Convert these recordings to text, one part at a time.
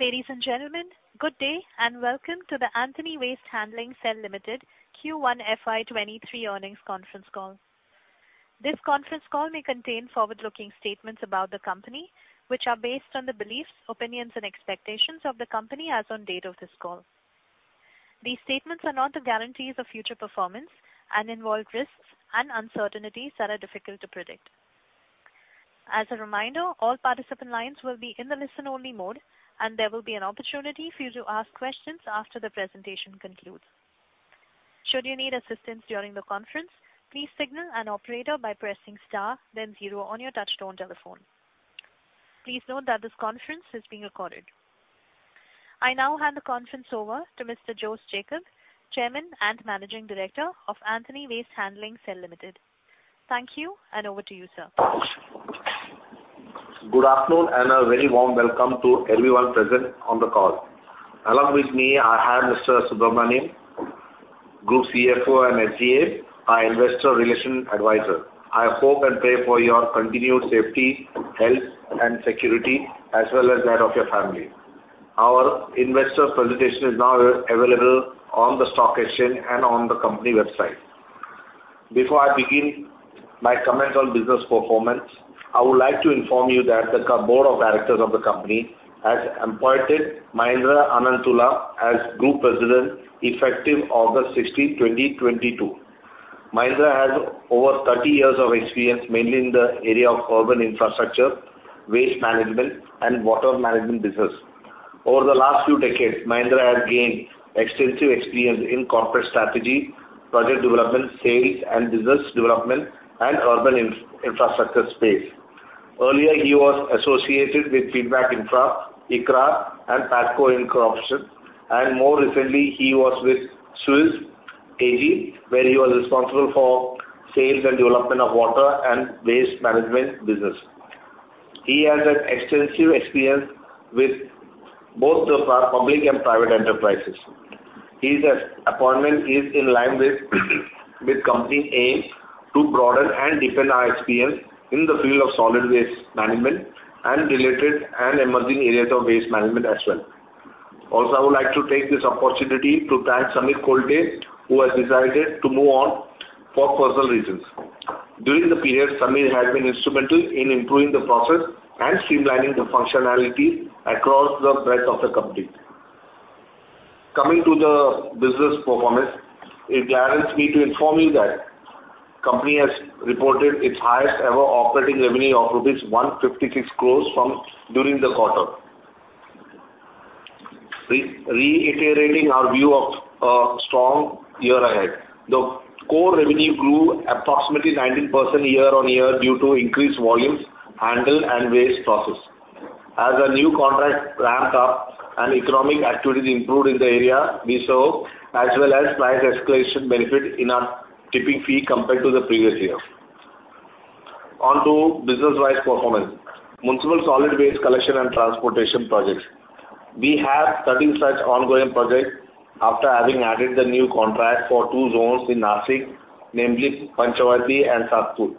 Ladies and gentlemen, good day, and welcome to the Antony Waste Handling Cell Limited Q1 FY 2023 earnings conference call. This conference call may contain forward-looking statements about the company, which are based on the beliefs, opinions, and expectations of the company as on date of this call. These statements are not the guarantees of future performance and involve risks and uncertainties that are difficult to predict. As a reminder, all participant lines will be in the listen-only mode, and there will be an opportunity for you to ask questions after the presentation concludes. Should you need assistance during the conference, please signal an operator by pressing star then zero on your touchtone telephone. Please note that this conference is being recorded. I now hand the conference over to Mr. Jose Jacob, Chairman and Managing Director of Antony Waste Handling Cell Limited. Thank you, and over to you, sir. Good afternoon, and a very warm welcome to everyone present on the call. Along with me, I have Mr. Subramaniam, Group CFO and FCA, our investor relations advisor. I hope and pray for your continued safety, health, and security as well as that of your family. Our investor presentation is now available on the stock exchange and on the company website. Before I begin my comments on business performance, I would like to inform you that the Board of Directors of the company has appointed Mahendra Ananthula as Group President, effective August 16th, 2022. Mahendra has over 30 years of experience, mainly in the area of urban infrastructure, waste management, and water management business. Over the last few decades, Mahendra has gained extensive experience in corporate strategy, project development, sales, and business development and urban infrastructure space. Earlier, he was associated with Feedback Infra, ICRA, and PATCO Inc., and more recently, he was with Suez, where he was responsible for sales and development of water and waste management business. He has an extensive experience with both the public and private enterprises. His appointment is in line with company aims to broaden and deepen our experience in the field of solid waste management and related and emerging areas of waste management as well. Also, I would like to take this opportunity to thank Sameer Kolte, who has decided to move on for personal reasons. During the period, Sameer has been instrumental in improving the process and streamlining the functionality across the breadth of the company. Coming to the business performance, it delights me to inform you that company has reported its highest ever operating revenue of rupees 156 crores for the quarter. Reiterating our view of a strong year ahead, the core revenue grew approximately 19% year-on-year due to increased volumes handled and waste processed. As a new contract ramped up and economic activity improved in the area we serve, as well as price escalation benefit in our tipping fee compared to the previous year. On to business-wise performance. Municipal solid waste collection and transportation projects. We have 13 such ongoing projects after having added the new contract for two zones in Nashik, namely Panchavati and Satpur.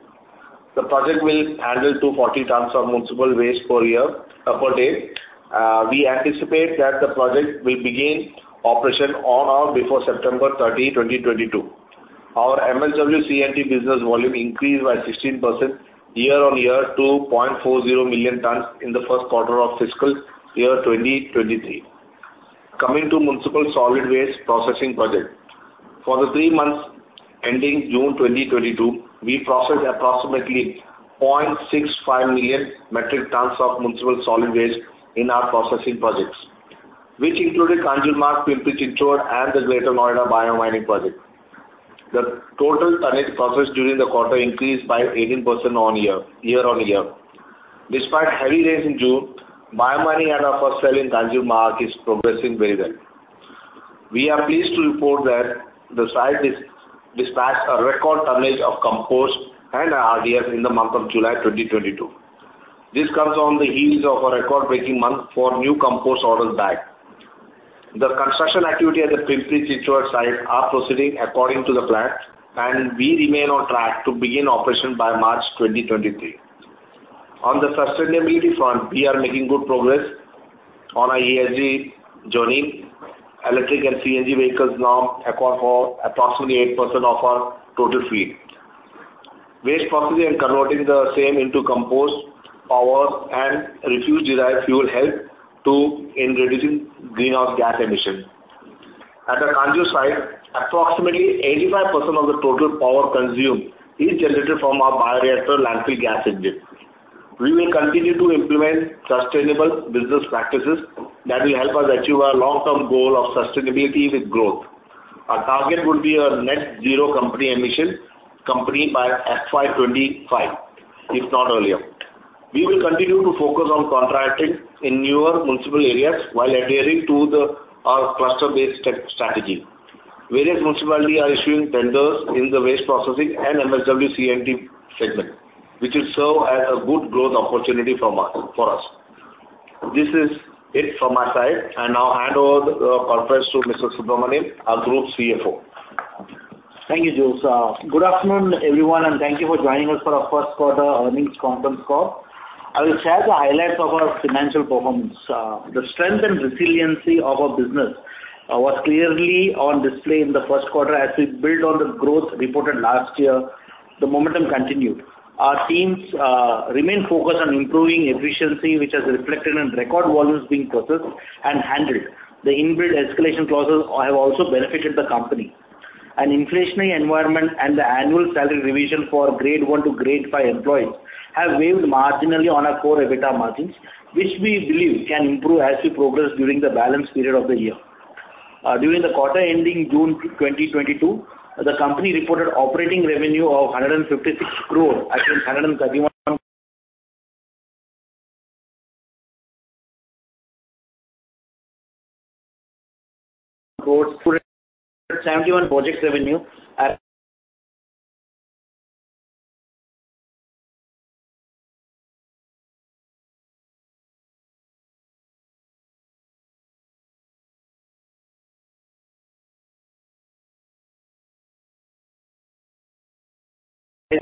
The project will handle 240 tons of municipal waste per year, per day. We anticipate that the project will begin operation on or before September 30th, 2022. Our MSW C&T business volume increased by 16% year-on-year to 0.40 million tons in the first quarter of fiscal year 2023. Coming to municipal solid waste processing project. For the three months ending June 2022, we processed approximately 0.65 million metric tons of municipal solid waste in our processing projects, which included Kanjurmarg, Pimpri-Chinchwad, and the Greater Noida biomining project. The total tonnage processed during the quarter increased by 18% year-on-year. Despite heavy rains in June, biomining at our first site in Kanjurmarg is progressing very well. We are pleased to report that the site dispatched a record tonnage of compost and RDF in the month of July 2022. This comes on the heels of a record-breaking month for new compost orders bagged. The construction activity at the Pimpri-Chinchwad site are proceeding according to the plan, and we remain on track to begin operation by March 2023. On the sustainability front, we are making good progress on our ESG journey. Electric and CNG vehicles now account for approximately 8% of our total fleet. Waste processing and converting the same into compost, power, and refuse-derived fuel help to in reducing greenhouse gas emissions. At the Kanjur site, approximately 85% of the total power consumed is generated from our bioreactor landfill gas engines. We will continue to implement sustainable business practices that will help us achieve our long-term goal of sustainability with growth. Our target would be a net zero company emission company by FY 2025, if not earlier. We will continue to focus on contracting in newer municipal areas while adhering to our cluster-based tech strategy. Various municipalities are issuing tenders in the waste processing and MSW C&T segment, which will serve as a good growth opportunity from us, for us. This is it from my side. I now hand over the conference to Mr. N. G. Subramanian, our Group CFO. Thank you, Jose. Good afternoon, everyone, and thank you for joining us for our first quarter earnings conference call. I will share the highlights of our financial performance. The strength and resiliency of our business was clearly on display in the first quarter as we built on the growth reported last year. The momentum continued. Our teams remain focused on improving efficiency, which has reflected in record volumes being processed and handled. The inbuilt escalation clauses have also benefited the company. An inflationary environment and the annual salary revision for grade 1 to grade 5 employees have wavered marginally on our core EBITDA margins, which we believe can improve as we progress during the balance period of the year. During the quarter ending June 2022, the company reported operating revenue of 156 crore as against 131 crore, growth fueled by project revenue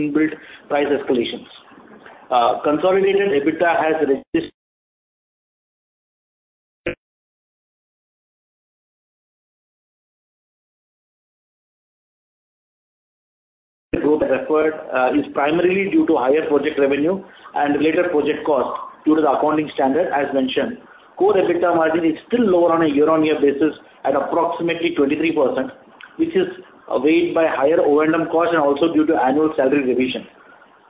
inbuilt price escalations. Consolidated EBITDA has registered growth, which is primarily due to higher project revenue and related project costs due to the accounting standard, as mentioned. Core EBITDA margin is still lower on a year-on-year basis at approximately 23%, which is weighed down by higher O&M costs and also due to annual salary revision.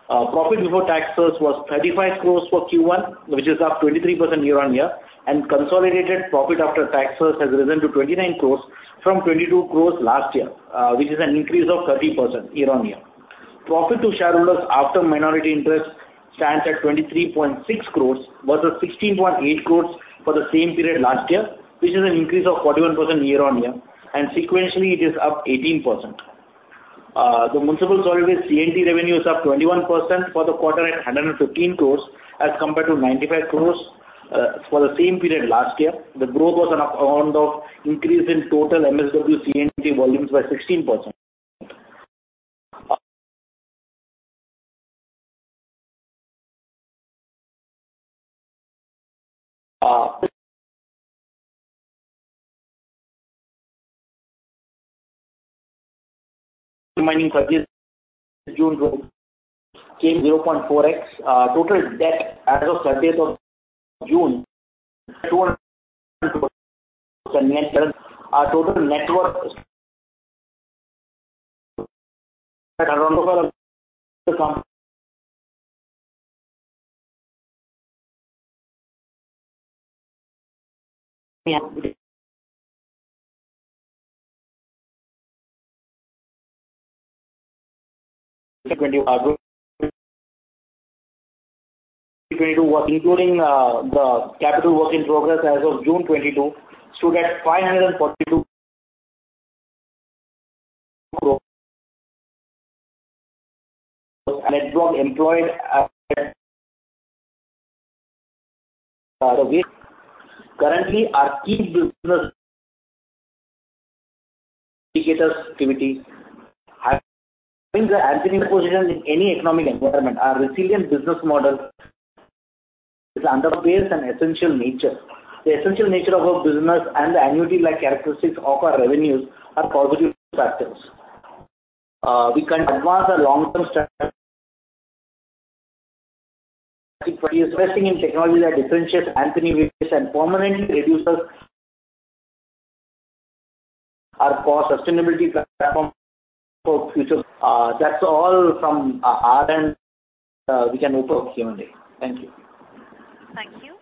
Profit before taxes was 35 crore for Q1, which is up 23% year-on-year. Consolidated profit after taxes has risen to 29 crore from 22 crore last year, which is an increase of 30% year-on-year. Profit to shareholders after minority interest stands at 23.6 crores versus 16.8 crores for the same period last year, which is an increase of 41% year-on-year, and sequentially, it is up 18%. The Municipal Solid Waste C&T revenue is up 21% for the quarter at 115 crores as compared to 95 crores for the same period last year. The growth was on account of increase in total MSW C&T volumes by 16%. Remaining for this June growth came 0.4x, total debt as of June 30th our total net worth including the capital work in progress as of June 2022 stood at 542 net worth employed currently our key business activity position in any economic environment. Our resilient business model is underpinned an essential nature. The essential nature of our business and the annuity-like characteristics of our revenues are positive factors. We can advance our long-term strategy investing in technology that differentiates Antony with this and permanently reduces our core sustainability platform for future. That's all from our end. We can open Q&A. Thank you. Thank you.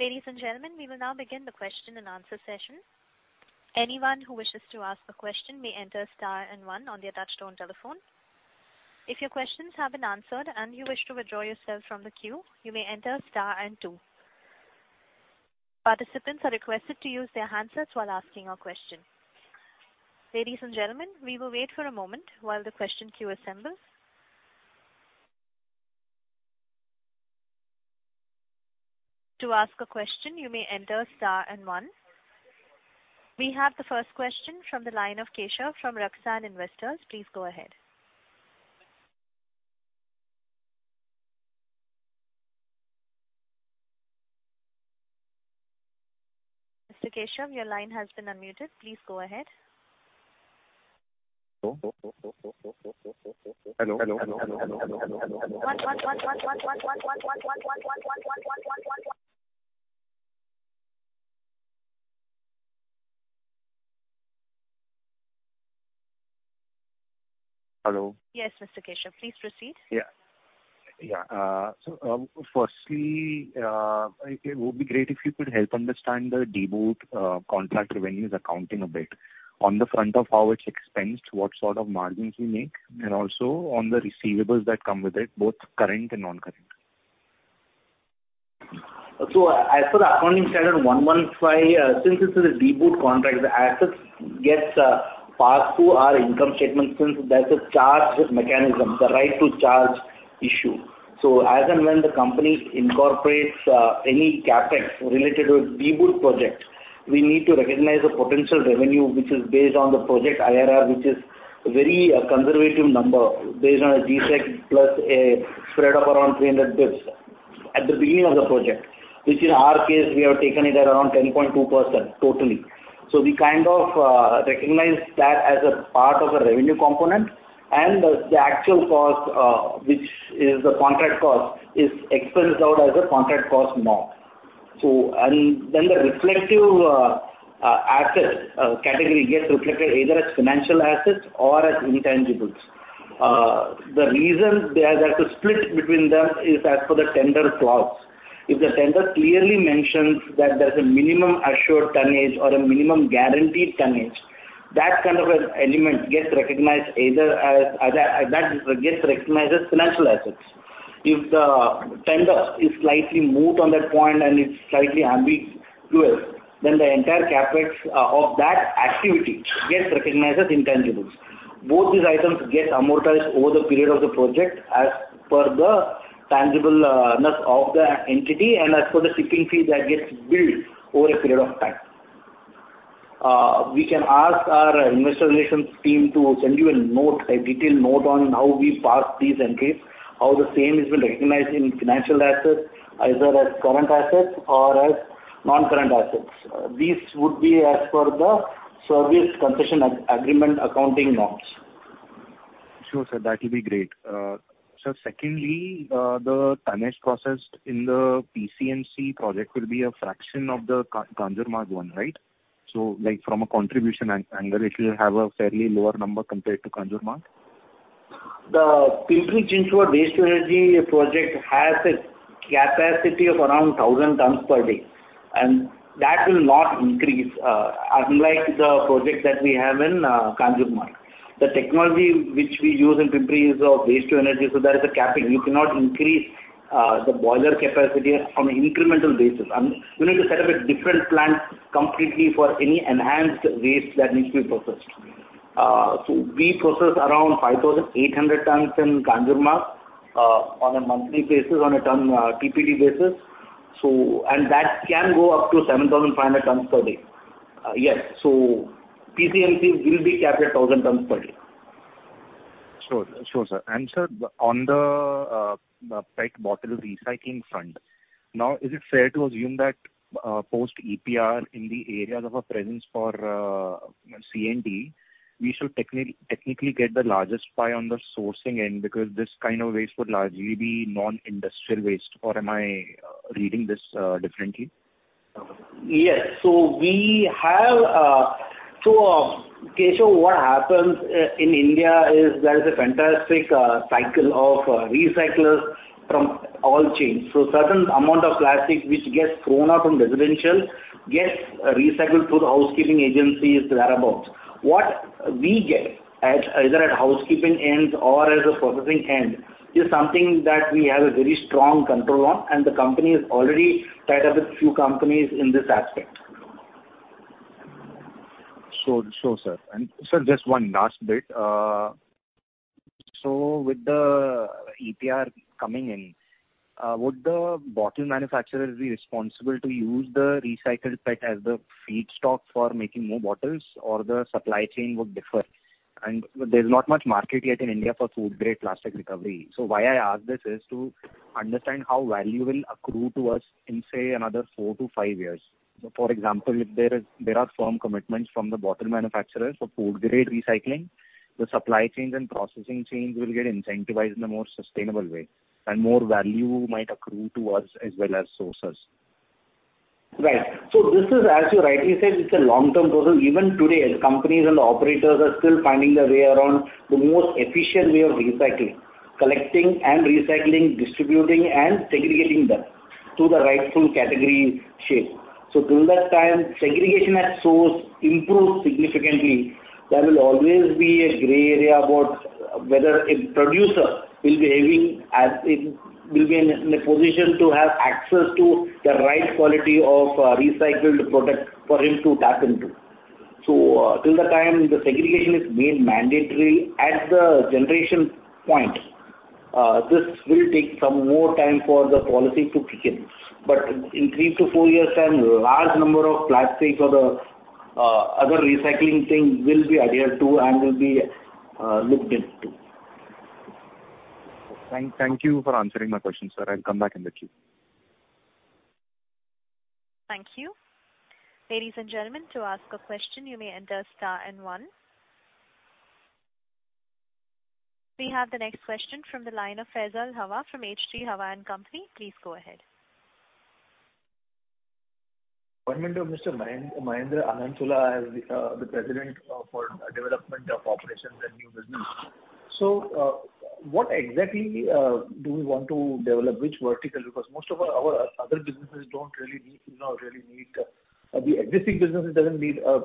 Ladies and gentlemen, we will now begin the question-and-answer session. Anyone who wishes to ask a question may enter star and one on their touchtone telephone. If your questions have been answered and you wish to withdraw yourself from the queue, you may enter star and two. Participants are requested to use their handsets while asking a question. Ladies and gentlemen, we will wait for a moment while the question queue assembles. To ask a question, you may enter star and one. We have the first question from the line of Keshav from RakSan Investors. Please go ahead. Mr. Keshav, your line has been unmuted. Please go ahead. Hello? Hello? Yes, Mr. Keshav, please proceed. Firstly, it would be great if you could help understand the DBOOT contract revenues accounting a bit. On the front of how it's expensed, what sort of margins you make, and also on the receivables that come with it, both current and non-current. As for the accounting standard 115, since this is a DBOOT contract, the assets gets passed through our income statement since there's a charge mechanism, the right to charge issue. As and when the company incorporates any CapEx related with debottleneck project, we need to recognize the potential revenue which is based on the project IRR, which is very conservative number based on a G-Sec plus a spread of around 300 bps at the beginning of the project, which in our case we have taken it at around 10.2% totally. We kind of recognize that as a part of the revenue component and the actual cost, which is the contract cost is expensed out as a contract cost now. The regulatory assets category gets reflected either as financial assets or as intangibles. The reason they have to split between them is as per the tender clause. If the tender clearly mentions that there's a minimum assured tonnage or a minimum guaranteed tonnage, that kind of an element gets recognized as financial assets. If the tender is slightly moot on that point and it's slightly ambiguous, then the entire CapEx of that activity gets recognized as intangibles. Both these items get amortized over the period of the project as per the tangibleness of the entity and as per the tipping fee that gets billed over a period of time. We can ask our investor relations team to send you a note, a detailed note on how we pass these entries, how the same has been recognized in financial assets, either as current assets or as non-current assets. These would be as per the service concession agreement accounting norms. Sure, sir. That'll be great. Secondly, the tonnage processed in the PCMC project will be a fraction of the Kanjurmarg one, right? Like from a contribution angle, it will have a fairly lower number compared to Kanjurmarg. The Pimpri-Chinchwad waste to energy project has a capacity of around 1,000 tons per day, and that will not increase, unlike the project that we have in Kanjurmarg. The technology which we use in Pimpri is of waste to energy. There is a capping. You cannot increase the boiler capacity on an incremental basis. You need to set up a different plant completely for any enhanced waste that needs to be processed. We process around 5,800 tons in Kanjurmarg on a monthly basis on a ton TPD basis. That can go up to 7,500 tons per day. Yes. PCMC will be capped at 1,000 tons per day. Sure. Sure, sir. sir, on the PET bottle recycling front, now, is it fair to assume that, post EPR in the areas of our presence for C&T, we should technically get the largest pie on the sourcing end because this kind of waste would largely be non-industrial waste or am I reading this differently? Yes. We have, Keshav, what happens in India is there is a fantastic cycle of recyclers from all chains. Certain amount of plastic which gets thrown out from residential gets recycled through the housekeeping agencies thereabout. What we get at either housekeeping end or as a processing end is something that we have a very strong control on, and the company is already tied up with few companies in this aspect. Sure, sir. Sir, just one last bit. With the EPR coming in, would the bottle manufacturers be responsible to use the recycled PET as the feedstock for making more bottles or the supply chain would differ? There's not much market yet in India for food grade plastic recovery. Why I ask this is to understand how value will accrue to us in, say, another four-five years. For example, there are firm commitments from the bottle manufacturers for food grade recycling, the supply chains and processing chains will get incentivized in a more sustainable way and more value might accrue to us as well as sources. Right. This is, as you rightly said, it's a long term process. Even today, as companies and the operators are still finding their way around the most efficient way of recycling, collecting and recycling, distributing and segregating them to the rightful category shape. Till that time, segregation at source improves significantly. There will always be a gray area about whether a producer will be in a position to have access to the right quality of recycled product for him to tap into. Till the time the segregation is made mandatory at the generation point, this will take some more time for the policy to kick in. In three-four years' time, large number of plastics or the other recycling things will be adhered to and will be looked into. Thank you for answering my question, sir. I'll come back in the queue. Thank you. Ladies and gentlemen, to ask a question, you may enter star and one. We have the next question from the line of Faisal Hawa from H.G. Hawa & Company. Please go ahead. Appointment of Mr. Mahendra Ananthula as the President for Development of Operations and New Business. What exactly do we want to develop? Which vertical? Because most of our other businesses don't really need, you know, the existing businesses doesn't need a,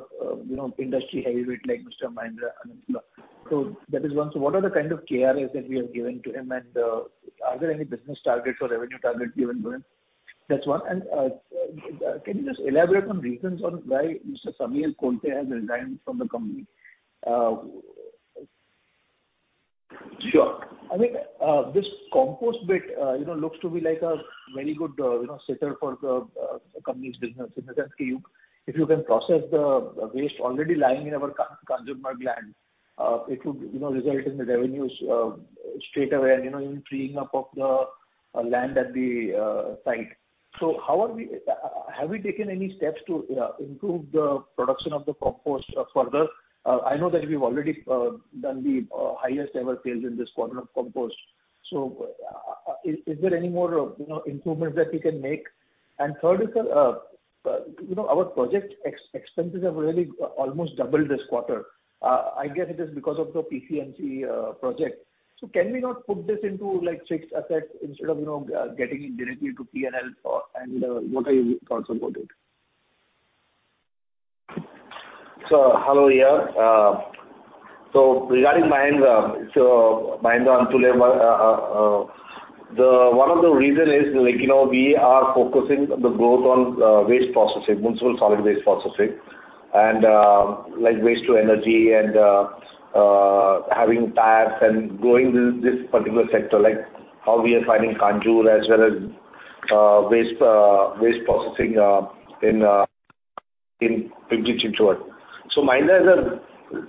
you know, industry heavyweight like Mr. Mahendra Ananthula. That is one. What are the kind of KRAs that we have given to him? And are there any business targets or revenue targets given to him? That is one. And can you just elaborate on reasons on why Mr. Sameer Kolte has resigned from the company? Sure. I think this compost bit you know looks to be like a very good you know setter for the company's business. In the sense that if you can process the waste already lying in our concession land it would you know result in the revenues straightaway and you know even freeing up of the land at the site. How have we taken any steps to improve the production of the compost further? I know that we've already done the highest ever sales in this quarter of compost. Is there any more you know improvements that we can make? Third is the you know our project expenses have really almost doubled this quarter. I guess it is because of the PCMC project. Can we not put this into, like, fixed assets instead of, you know, getting it directly to PNL? Or, and, what are your thoughts about it? Hello, yeah. Regarding Mahendra Ananthula, one of the reasons is like, you know, we are focusing the growth on waste processing, municipal solid waste processing, and like waste to energy and having TPDs and growing this particular sector, like how we are finding Kanjur as well as waste processing in Pimpri-Chinchwad. Mahendra Ananthula has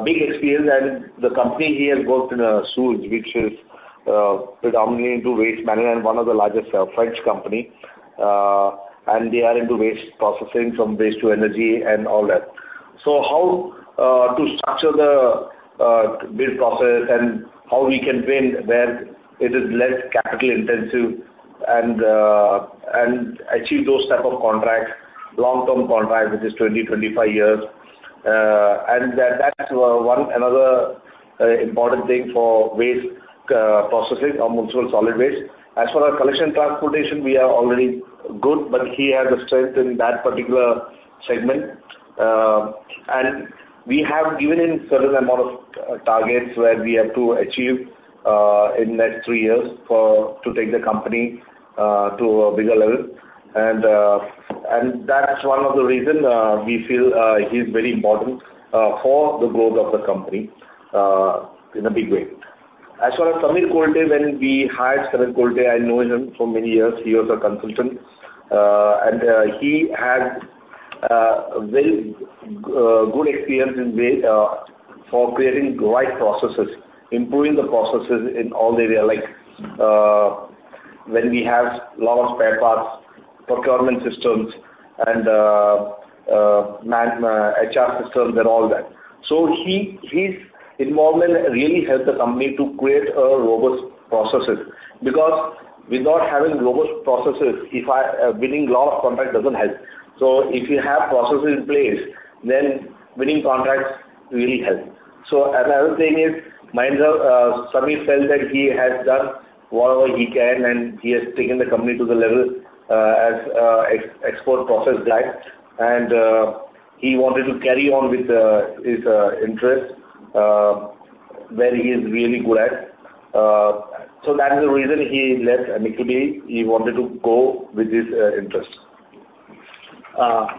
a big experience and the company he has worked in, Suez, which is predominantly into waste management, one of the largest French company. And they are into waste processing from waste to energy and all that. How to structure the bid process and how we can win where it is less capital-intensive and achieve those type of contracts, long-term contracts, which is 20-25 years. That's one other important thing for waste processing or municipal solid waste. As far as collection and transportation, we are already good, but he has the strength in that particular segment. We have given him certain amount of targets where we have to achieve in next three years to take the company to a bigger level. That's one of the reason we feel he's very important for the growth of the company in a big way. As far as Sameer Kolte, when we hired Sameer Kolte, I know him for many years. He was a consultant. He had very good experience in waste for creating right processes, improving the processes in all areas, like when we have lot of spare parts, procurement systems and HR systems and all that. His involvement really helped the company to create robust processes. Because without having robust processes, winning lot of contracts doesn't help. If you have processes in place, then winning contracts really helps. As I was saying, Mahendra Ananthula, Sameer Kolte felt that he has done whatever he can, and he has taken the company to the level as expert process guy. He wanted to carry on with his interest where he is really good at. That is the reason he left, admittedly. He wanted to go with his interest.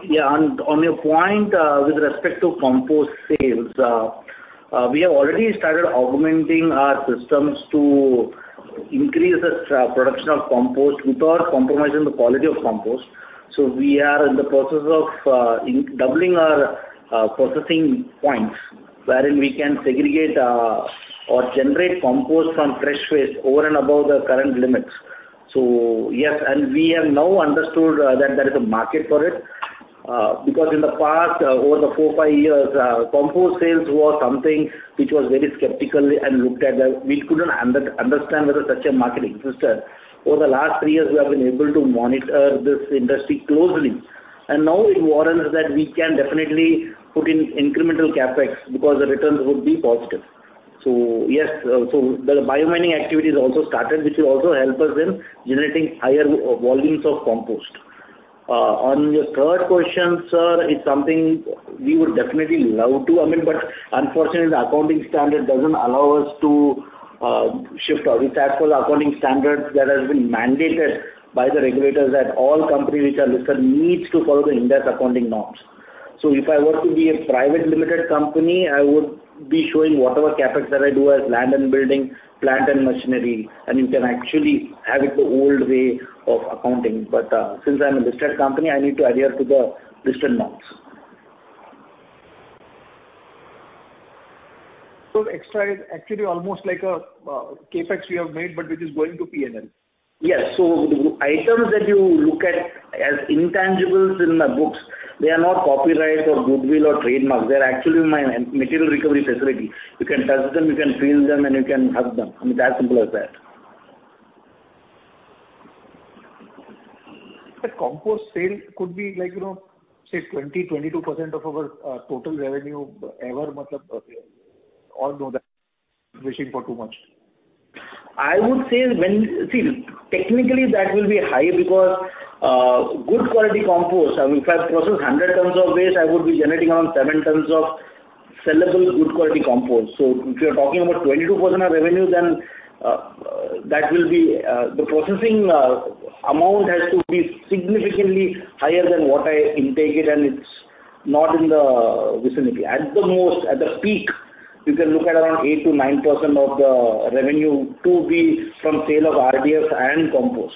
Yeah, on your point, with respect to compost sales, we have already started augmenting our systems to increase the production of compost without compromising the quality of compost. We are in the process of doubling our processing points wherein we can segregate or generate compost from fresh waste over and above the current limits. Yes, we have now understood that there is a market for it. Because in the past, over the four, five years, compost sales was something which was very skeptical and looked at like we couldn't understand whether such a market existed. Over the last three years, we have been able to monitor this industry closely. Now we're warranted that we can definitely put in incremental CapEx because the returns would be positive. Yes, so the biomining activity is also started, which will also help us in generating higher volumes of compost. On your third question, sir, it's something we would definitely love to. I mean, but unfortunately, the accounting standard doesn't allow us to shift our. It's actual accounting standards that has been mandated by the regulators that all companies which are listed needs to follow India's accounting norms. If I was to be a private limited company, I would be showing whatever CapEx that I do as land and building, plant and machinery, and you can actually have it the old way of accounting. Since I'm a listed company, I need to adhere to the listed norms. Extra is actually almost like a CapEx we have made, but which is going to P&L. Yes. The items that you look at as intangibles in the books, they are not copyrights or goodwill or trademarks. They're actually my material recovery facility. You can touch them, you can feel them, and you can hug them. I mean, it's as simple as that. The compost sale could be like, you know, say 20%-22% of our total revenue. We're wishing for too much. I would say, See, technically that will be high because good quality compost, I mean, if I process 100 tons of waste, I would be generating around 7 tons of sellable good quality compost. So if you're talking about 22% of revenue, then that will be the processing amount has to be significantly higher than what I intake it, and it's not in the vicinity. At the most, at the peak, you can look at around 8%-9% of the revenue to be from sale of RDFs and compost.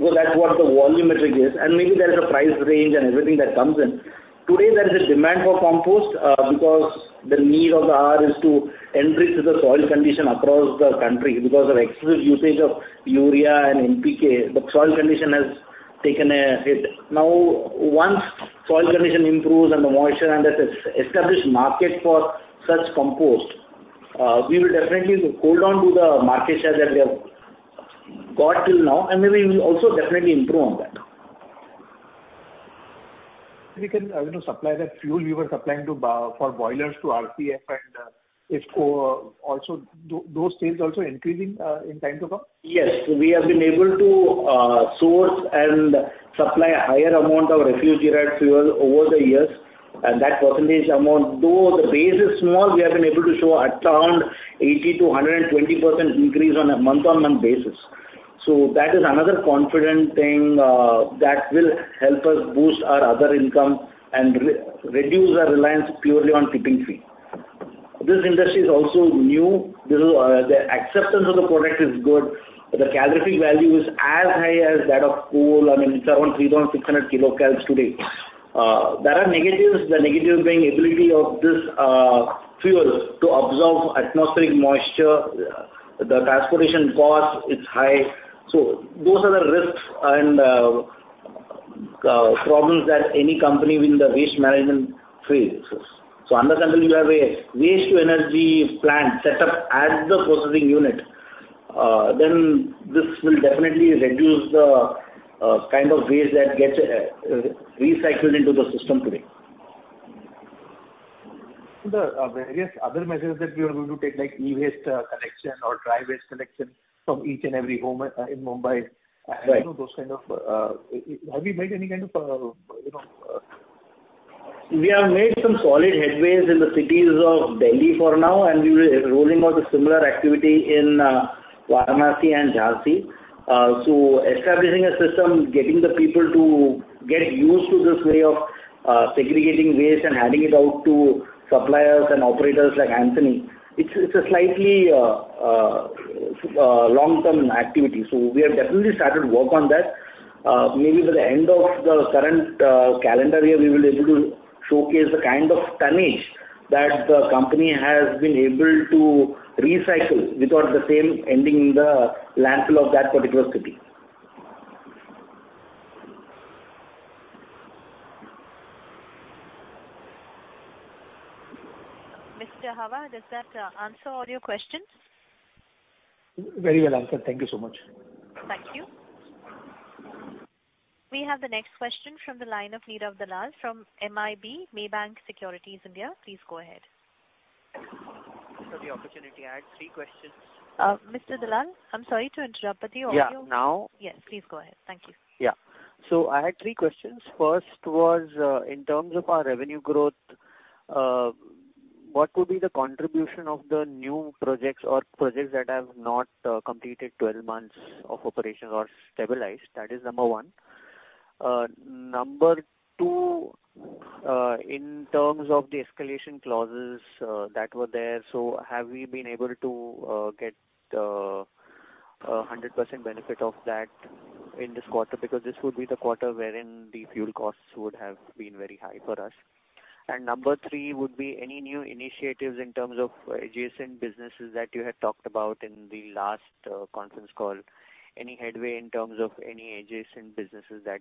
So that's what the volumetric is, and maybe there is a price range and everything that comes in. Today, there is a demand for compost, because the need of the hour is to enrich the soil condition across the country because of excessive usage of urea and NPK, the soil condition has taken a hit. Now, once soil condition improves and the moisture and that has established market for such compost, we will definitely hold on to the market share that we have got till now, and then we will also definitely improve on that. We can, you know, supply that fuel we were supplying for boilers to RCF and IFFCO also. Do those sales also increasing in time to come? Yes. We have been able to source and supply a higher amount of refuse-derived fuel over the years, and that percentage amount, though the base is small, we have been able to show at around 80%-120% increase on a month-on-month basis. That is another confident thing that will help us boost our other income and reduce our reliance purely on tipping fee. This industry is also new. This is the acceptance of the product is good. The calorific value is as high as that of coal. I mean, it's around 3,600 kcal today. There are negatives, the negatives being ability of these fuels to absorb atmospheric moisture. The transportation cost is high. Those are the risks and problems that any company in the waste management faces. Under such you have a waste to energy plant set up as the processing unit. This will definitely reduce the kind of waste that gets recycled into the system today. The various other measures that we are going to take, like e-waste, collection or dry waste collection from each and every home in Mumbai. Right. Have you made any kind of you know? We have made some solid headways in the cities of Delhi for now, and we will be rolling out a similar activity in Varanasi and Jhansi. Establishing a system, getting the people to get used to this way of segregating waste and handing it out to suppliers and operators like Antony, it's a slightly long-term activity. We have definitely started work on that. Maybe by the end of the current calendar year, we will be able to showcase the kind of tonnage that the company has been able to recycle without the same ending in the landfill of that particular city. Faisal Hawa, does that answer all your questions? Very well answered. Thank you so much. Thank you. We have the next question from the line of Neerav Dalal from Maybank Investment Banking Group. Please go ahead. Thanks for the opportunity. I had three questions. Mr. Dalal, I'm sorry to interrupt, but your audio- Yeah. Now? Yes, please go ahead. Thank you. Yeah. I had three questions. First was, in terms of our revenue growth, what would be the contribution of the new projects or projects that have not completed 12 months of operations or stabilized? That is number one. Number two, in terms of the escalation clauses that were there, so have we been able to get a 100% benefit of that in this quarter? Because this would be the quarter wherein the fuel costs would have been very high for us. Number three would be any new initiatives in terms of adjacent businesses that you had talked about in the last conference call. Any headway in terms of any adjacent businesses that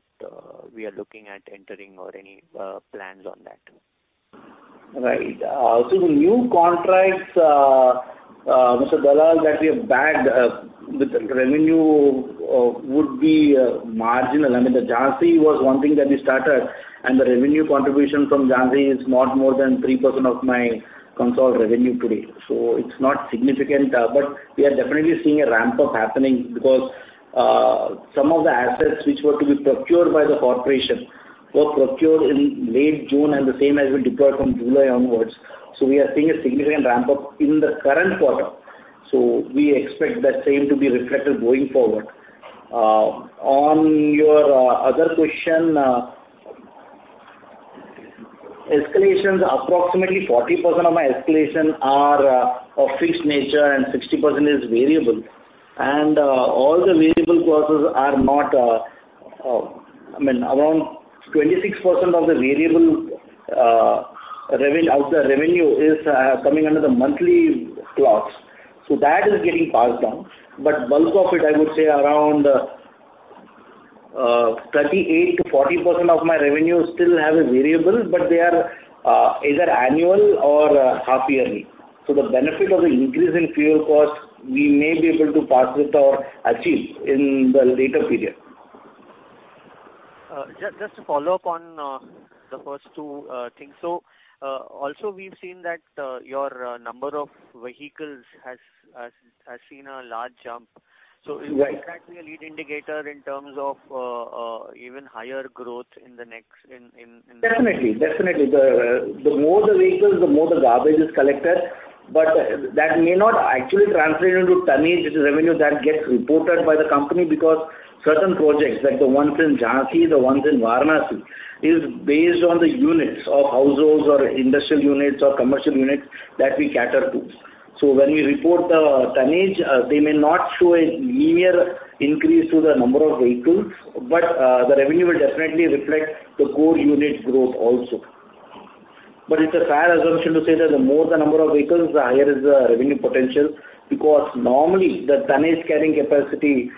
we are looking at entering or any plans on that? Right. The new contracts, Mr. Dalal, that we have bagged, the revenue would be marginal. I mean, the Jhansi was one thing that we started, and the revenue contribution from Jhansi is not more than 3% of my consolidated revenue today. It's not significant, but we are definitely seeing a ramp-up happening because some of the assets which were to be procured by the corporation were procured in late June and the same has been deployed from July onwards. We are seeing a significant ramp-up in the current quarter. We expect that same to be reflected going forward. On your other question, escalations, approximately 40% of my escalation are of fixed nature and 60% is variable. All the variable clauses are not, I mean, around 26% of the variable of the revenue is coming under the monthly clause. That is getting passed on. Bulk of it, I would say around 38%-40% of my revenue still has a variable, but they are either annual or half yearly. The benefit of the increase in fuel cost, we may be able to pass it or achieve in the later period. Just to follow up on the first two things. Also we've seen that your number of vehicles has seen a large jump. Right. Is that to be a lead indicator in terms of even higher growth in the next, in the future? Definitely. The more the vehicles, the more the garbage is collected. That may not actually translate into tonnage, the revenue that gets reported by the company because certain projects, like the ones in Jhansi, the ones in Varanasi, is based on the units of households or industrial units or commercial units that we cater to. When we report the tonnage, they may not show a linear increase to the number of vehicles, but the revenue will definitely reflect the core unit growth also. It's a fair assumption to say that the more the number of vehicles, the higher is the revenue potential, because normally the tonnage carrying capacity,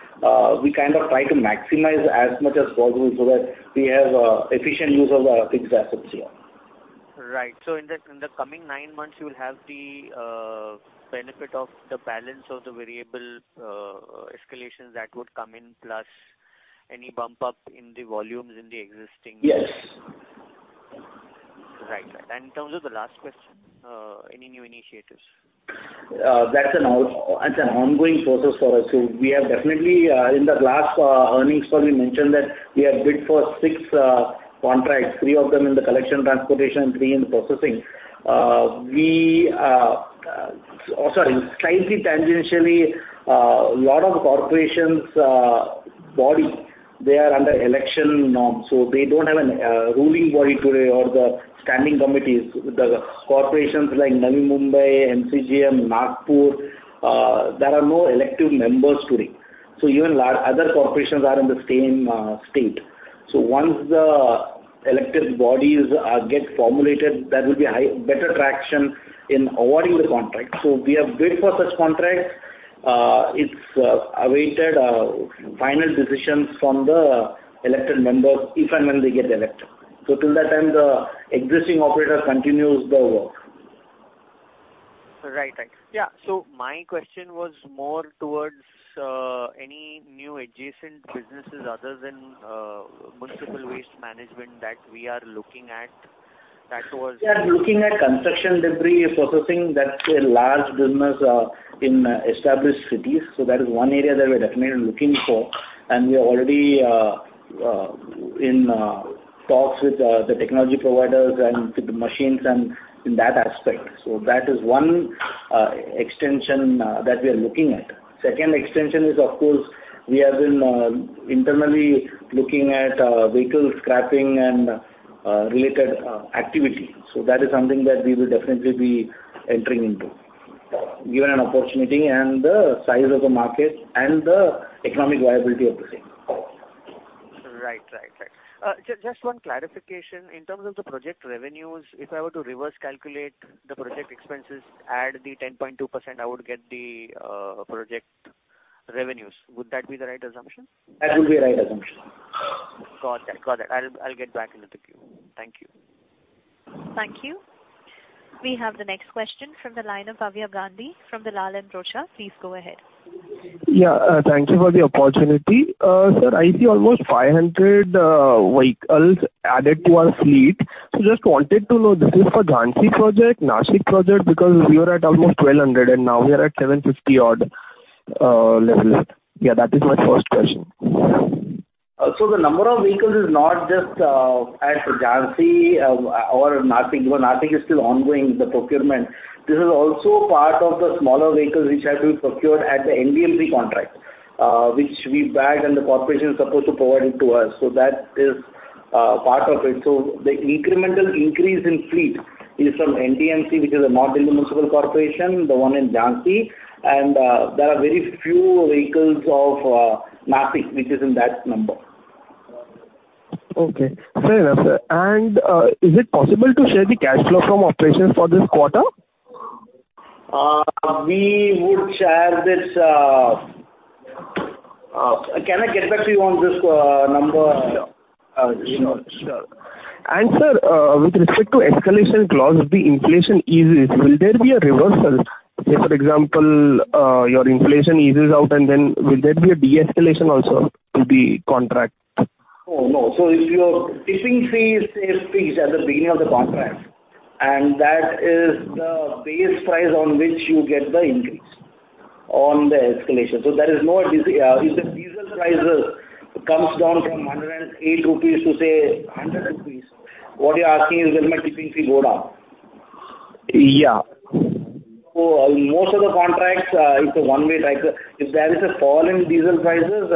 we kind of try to maximize as much as possible so that we have efficient use of our fixed assets here. Right. In the coming nine months, you will have the benefit of the balance of the variable escalations that would come in, plus any bump up in the volumes in the existing. Yes. Right. In terms of the last question, any new initiatives? That's an ongoing process for us. We have definitely, in the last earnings call, we mentioned that we have bid for six contracts, three of them in the collection transportation and three in the processing. Slightly tangentially, a lot of corporations body, they are under election norm, so they don't have a ruling body today or the standing committees. The corporations like Navi Mumbai, MCGM, Nagpur, there are no elected members today. Even other corporations are in the same state. Once the elected bodies get formulated, there will be better traction in awarding the contract. We have bid for such contracts. It's awaited final decisions from the elected members if and when they get elected. Till that time, the existing operator continues the work. Right. Yeah. My question was more towards any new adjacent businesses other than municipal waste management that we are looking at. That was. We are looking at construction debris processing. That's a large business in established cities. That is one area that we're definitely looking for, and we are already in talks with the technology providers and with the machines and in that aspect. That is one extension that we are looking at. Second extension is of course we have been internally looking at vehicle scrapping and related activity. That is something that we will definitely be entering into, given an opportunity and the size of the market and the economic viability of the same. Right. Just one clarification. In terms of the project revenues, if I were to reverse calculate the project expenses, add the 10.2%, I would get the project revenues. Would that be the right assumption? That would be a right assumption. Got that. I'll get back into the queue. Thank you. Thank you. We have the next question from the line of Bhavya Gandhi from the Dalal & Broacha. Please go ahead. Yeah. Thank you for the opportunity. Sir, I see almost 500 vehicles added to our fleet. Just wanted to know, this is for Jhansi project, Nashik project? Because we were at almost 1,200 and now we are at 750 odd levels. Yeah, that is my first question. The number of vehicles is not just at Jhansi or Nashik. Nashik is still ongoing, the procurement. This is also part of the smaller vehicles which have been procured at the NDMC contract, which we bagged and the corporation is supposed to provide it to us. That is part of it. The incremental increase in fleet is from NDMC, which is a model municipal corporation, the one in Jhansi, and there are very few vehicles of Nashik, which is in that number. Okay. Fair enough, sir. Is it possible to share the cash flow from operations for this quarter? We would share this. Can I get back to you on this number? Sure. Sir, with respect to escalation clause, if the inflation eases, will there be a reversal? Say, for example, your inflation eases out and then will there be a de-escalation also to the contract? Oh, no. If your tipping fee is fixed at the beginning of the contract, and that is the base price on which you get the increase on the escalation. There is no, if the diesel prices come down from INR 108 to say INR 100, what you're asking is, will my tipping fee go down? Yeah. Most of the contracts, it's a one-way tracker. If there is a fall in diesel prices,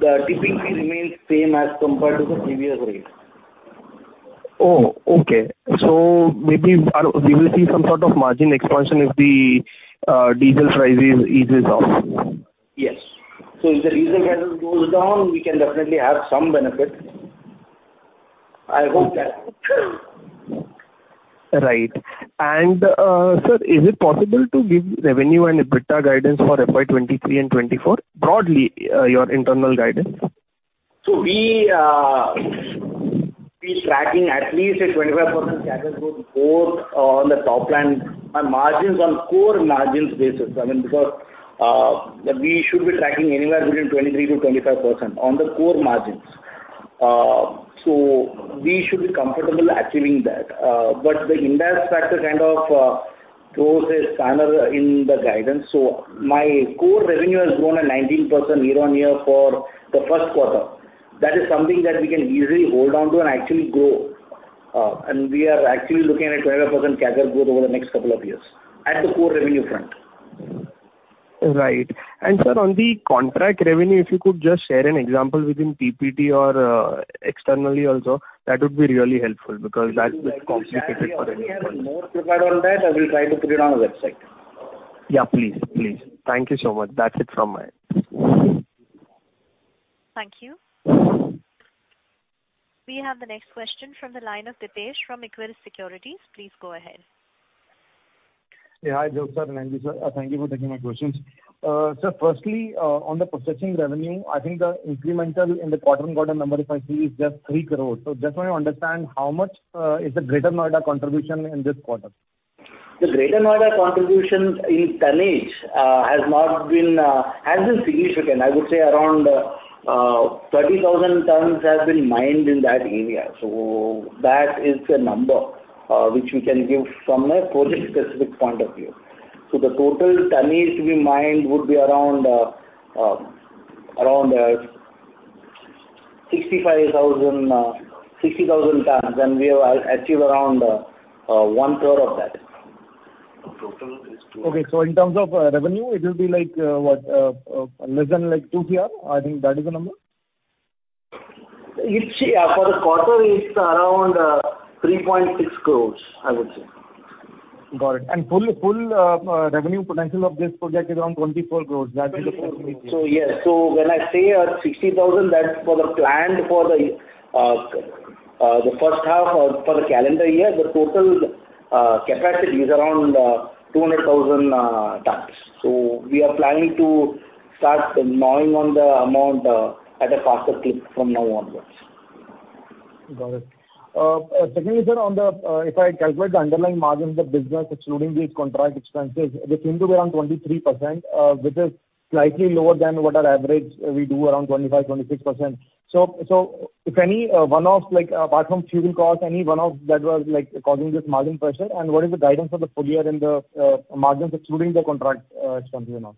the tipping fee remains same as compared to the previous rate. Oh, okay. Maybe we will see some sort of margin expansion if the diesel prices eases off. Yes. If the diesel prices goes down, we can definitely have some benefit. I hope that. Right. Sir, is it possible to give revenue and EBITDA guidance for FY 2023 and FY 2024? Broadly, your internal guidance. We are tracking at least a 25% CAGR growth both on the top line. Our margins on core margins basis, I mean, because we should be tracking anywhere between 23%-25% on the core margins. We should be comfortable achieving that. The index factor kind of throws a spanner in the guidance. My core revenue has grown at 19% year-on-year for the first quarter. That is something that we can easily hold on to and actually grow. We are actually looking at 12% CAGR growth over the next couple of years at the core revenue front. Right. Sir, on the contract revenue, if you could just share an example within PPT or externally also, that would be really helpful because that's complicated for everyone. We have a note prepared on that. I will try to put it on our website. Yeah, please. Thank you so much. That's it from my end. Thank you. We have the next question from the line of Depesh from Equirus Securities. Please go ahead. Yeah, hi, [N. G.] Sir. Thank you, sir. Thank you for taking my questions. So firstly, on the processing revenue, I think the incremental in the quarter-on-quarter number, if I see, is just 3 crore. Just want to understand how much is the Greater Noida contribution in this quarter? The Greater Noida contribution in tonnage has been significant. I would say around 30,000 tons has been mined in that area. That is the number which we can give from a project-specific point of view. The total tonnage we mined would be around 60,000 tons, and we have achieved around one-third of that. Okay. In terms of revenue, it will be like what? Less than like 2 cr? I think that is the number. It's yeah, for the quarter, it's around 3.6 crores, I would say. Got it. Full revenue potential of this project is around 24 crore. That is the potential. Yes. When I say 60,000, that was planned for the first half of the calendar year. The total capacity is around 200,000 tons. We are planning to start drawing on the amount at a faster clip from now onwards. Got it. Secondly, sir, on the, if I calculate, the underlying margin of the business, excluding these contract expenses, they seem to be around 23%, which is slightly lower than what our average we do around 25%-26%. If any one-offs, like, apart from fuel cost, any one-off that was like causing this margin pressure, and what is the guidance for the full year in the margins excluding the contract expenses or not?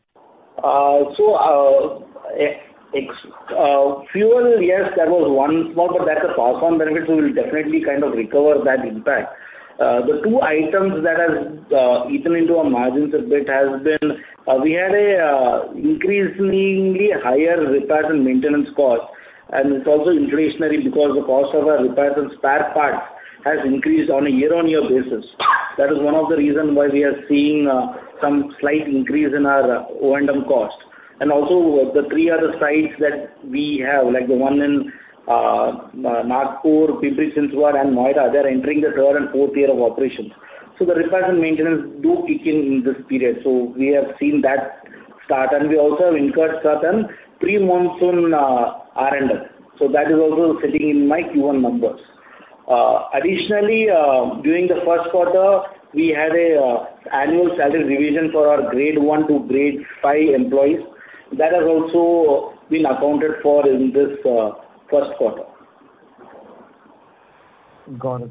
Fuel, yes, that was one small, but that's a pass-through benefit, so we'll definitely kind of recover that impact. The two items that has eaten into our margins a bit has been, we had a increasingly higher repairs and maintenance cost, and it's also inflationary because the cost of our repairs and spare parts has increased on a year-on-year basis. That is one of the reason why we are seeing some slight increase in our O&M cost. Also the three other sites that we have, like the one in Nagpur, Pimpri-Chinchwad and Noida, they are entering the third and fourth year of operations. We have seen that start, and we also have incurred certain pre-monsoon R&M. That is also sitting in my Q1 numbers. Additionally, during the first quarter, we had an annual salary revision for our grade one to grade five employees. That has also been accounted for in this first quarter. Got it.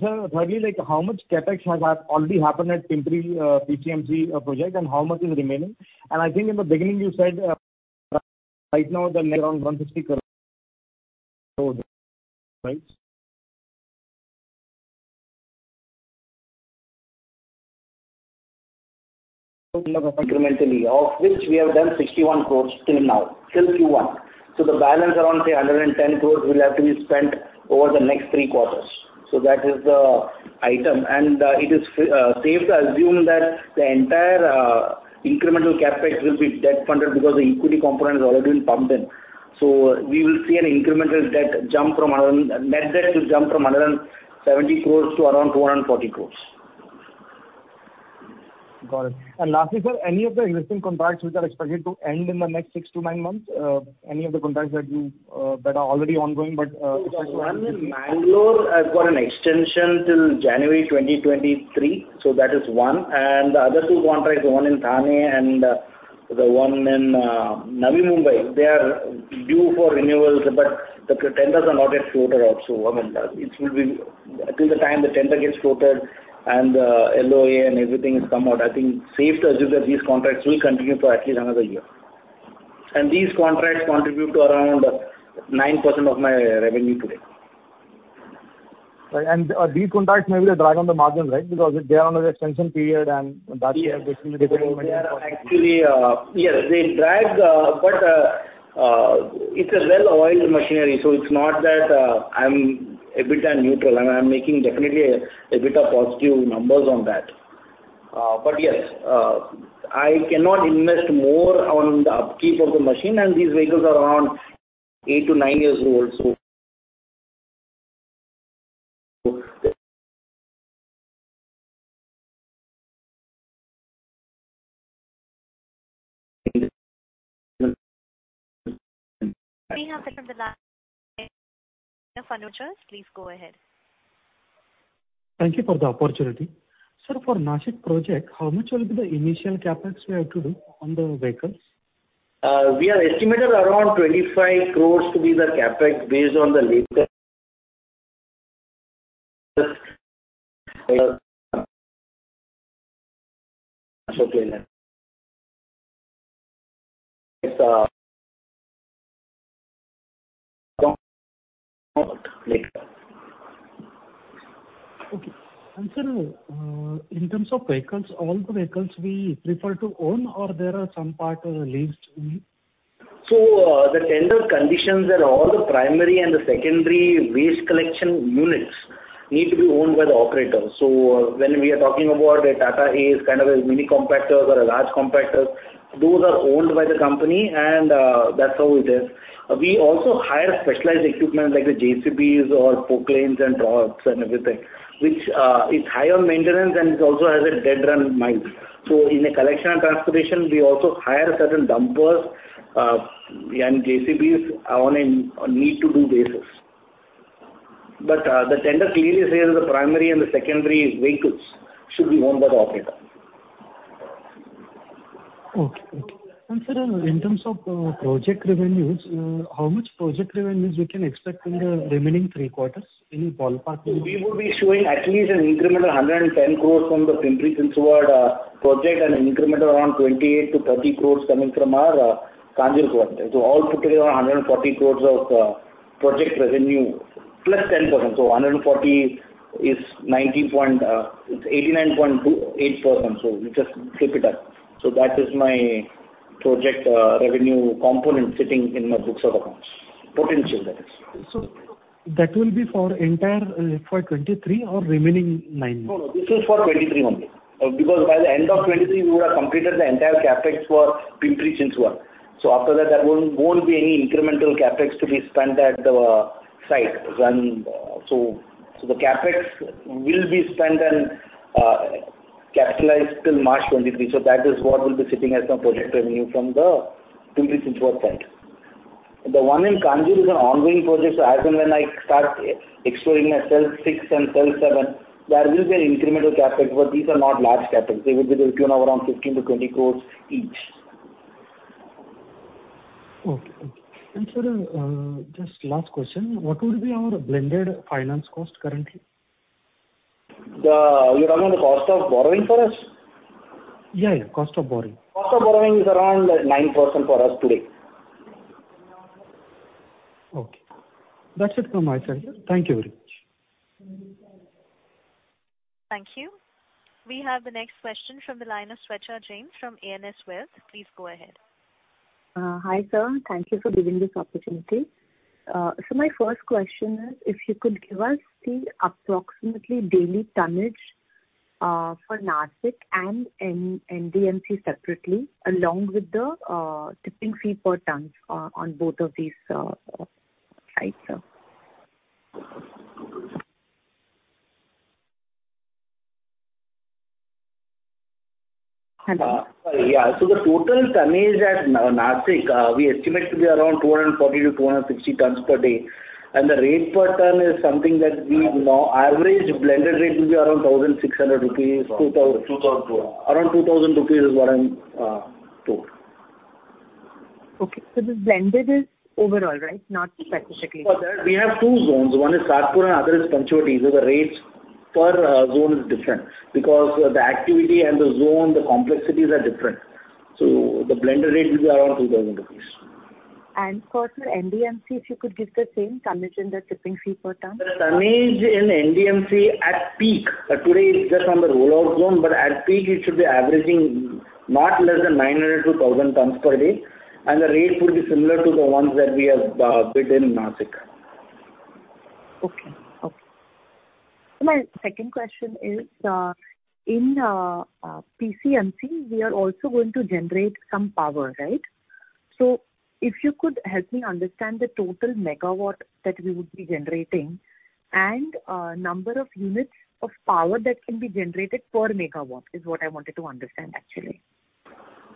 Sir, thirdly, like how much CapEx has already happened at Pimpri, PCMC project, and how much is remaining? I think in the beginning you said, right now the Incrementally, of which we have done 61 crore till now, till Q1. The balance around, say, 110 crore will have to be spent over the next three quarters. That is the item. It is safe to assume that the entire incremental CapEx will be debt funded because the equity component has already been pumped in. We will see an incremental debt jump. Net debt will jump from 170 crore to around 240 crore. Got it. Lastly, sir, any of the existing contracts which are expected to end in the next six-nine months? Any of the contracts that are already ongoing but, One in Bangalore has got an extension till January 2023, so that is one. The other two contracts, one in Thane and the one in Navi Mumbai, they are due for renewals, but the tenders are not yet floated also. I mean, until the time the tender gets floated and LOA and everything has come out, I think safe to assume that these contracts will continue for at least another year. These contracts contribute to around 9% of my revenue today. Right. These contracts may be a drag on the margin, right? Because they are on the extension period and that Yes. They are actually yes, they drag, but it's a well-oiled machinery, so it's not that I'm EBITDA neutral. I'm making definitely a EBITDA positive numbers on that. Yes, I cannot invest more on the upkeep of the machine, and these vehicles are around eight-nine years old. We have sir from the line of [Anurag] from [Roha Asset Managers] please go ahead. Thank you for the opportunity. Sir, for Nashik project, how much will be the initial CapEx we have to do on the vehicles? We are estimating around 25 crore to be the CapEx based on the latest. Okay. Sir, in terms of vehicles, all the vehicles we prefer to own or there are some part of the leased unit? The tender conditions and all the primary and the secondary waste collection units need to be owned by the operators. When we are talking about a Tata Ace, kind of a mini compactors or a large compactors, those are owned by the company and, that's how it is. We also hire specialized equipment like the JCBs or Poclain and trucks and everything, which is high on maintenance, and it also has deadhead miles. In a collection and transportation, we also hire certain dumpers and JCBs on an as-needed basis. The tender clearly says the primary and the secondary vehicles should be owned by the operator. Okay. Sir, in terms of project revenues, how much project revenues we can expect in the remaining three quarters? Any ballpark figure? We will be showing at least an incremental 110 crore from the Pimpri-Chinchwad project and incremental around 28-30 crore coming from our Kanjur project. All put together 140 crore of project revenue plus 10%. 140 is 90 point, it's 89.28%, you just flip it up. That is my project revenue component sitting in my books of accounts. Potential that is. That will be for entire FY 2023 or remaining nine months? No, this is for 2023 only. Because by the end of 2023, we would have completed the entire CapEx for Pimpri-Chinchwad. After that, there won't be any incremental CapEx to be spent at the site. The CapEx will be spent and capitalized till March 2023. That is what will be sitting as a project revenue from the Pimpri-Chinchwad side. The one in Kanjur is an ongoing project. As and when I start exploring my cell six and cell seven, there will be an incremental CapEx. But these are not large CapEx. They would be between around 15-20 crores each. Okay. Sir, just last question. What would be our blended finance cost currently? You're talking the cost of borrowing for us? Yeah, yeah. Cost of borrowing. Cost of borrowing is around 9% for us today. Okay. That's it from my side. Thank you very much. Thank you. We have the next question from the line of Swechha Jain from ANS Wealth. Please go ahead. Hi, sir. Thank you for giving this opportunity. My first question is if you could give us the approximate daily tonnage for Nashik and NDMC separately, along with the tipping fee per ton on both of these sites, sir. Hello? Yeah. The total tonnage at Nashik, we estimate to be around 240-250 tons per day. The rate per ton is something that we, you know, average blended rate will be around 1,600-2,000 rupees. Around 2,000 rupees is what I'm told. Okay. The blended is overall, right? Not specifically. For that we have two zones. One is Satpur and other is Panchvati. The rates per zone is different because the activity and the zone, the complexities are different. The blended rate will be around 2,000 rupees. For sir, NDMC, if you could give the same tonnage and the tipping fee per ton? The tonnage in NDMC at peak. Today it's just on the rollout zone, but at peak it should be averaging not less than 900-1,000 tons per day. The rate would be similar to the ones that we have bid in Nashik. Okay. My second question is, in PCMC, we are also going to generate some power, right? If you could help me understand the total megawatt that we would be generating and, number of units of power that can be generated per megawatt is what I wanted to understand actually.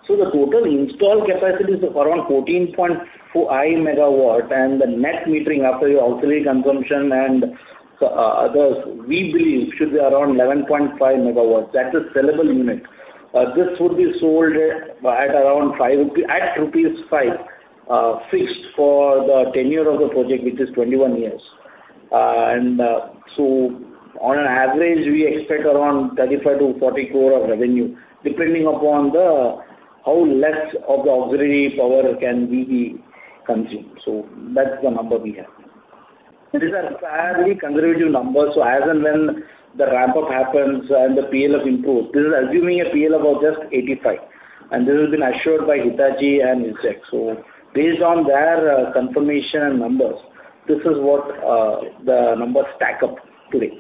The total installed capacity is around 14.5 MW and the net metering after your auxiliary consumption and, we believe should be around 11.5 MW. That's the sellable unit. This would be sold at around rupees 5, fixed for the tenure of the project, which is 21 years. On an average, we expect around 35-40 crore of revenue, depending upon the how less of the auxiliary power can we consume. That's the number we have. These are fairly conservative numbers. As and when the ramp-up happens and the PLF improves, this is assuming a PLF of just 85%, and this has been assured by Hitachi and NSEC. Based on their confirmation and numbers, this is what the numbers stack up today.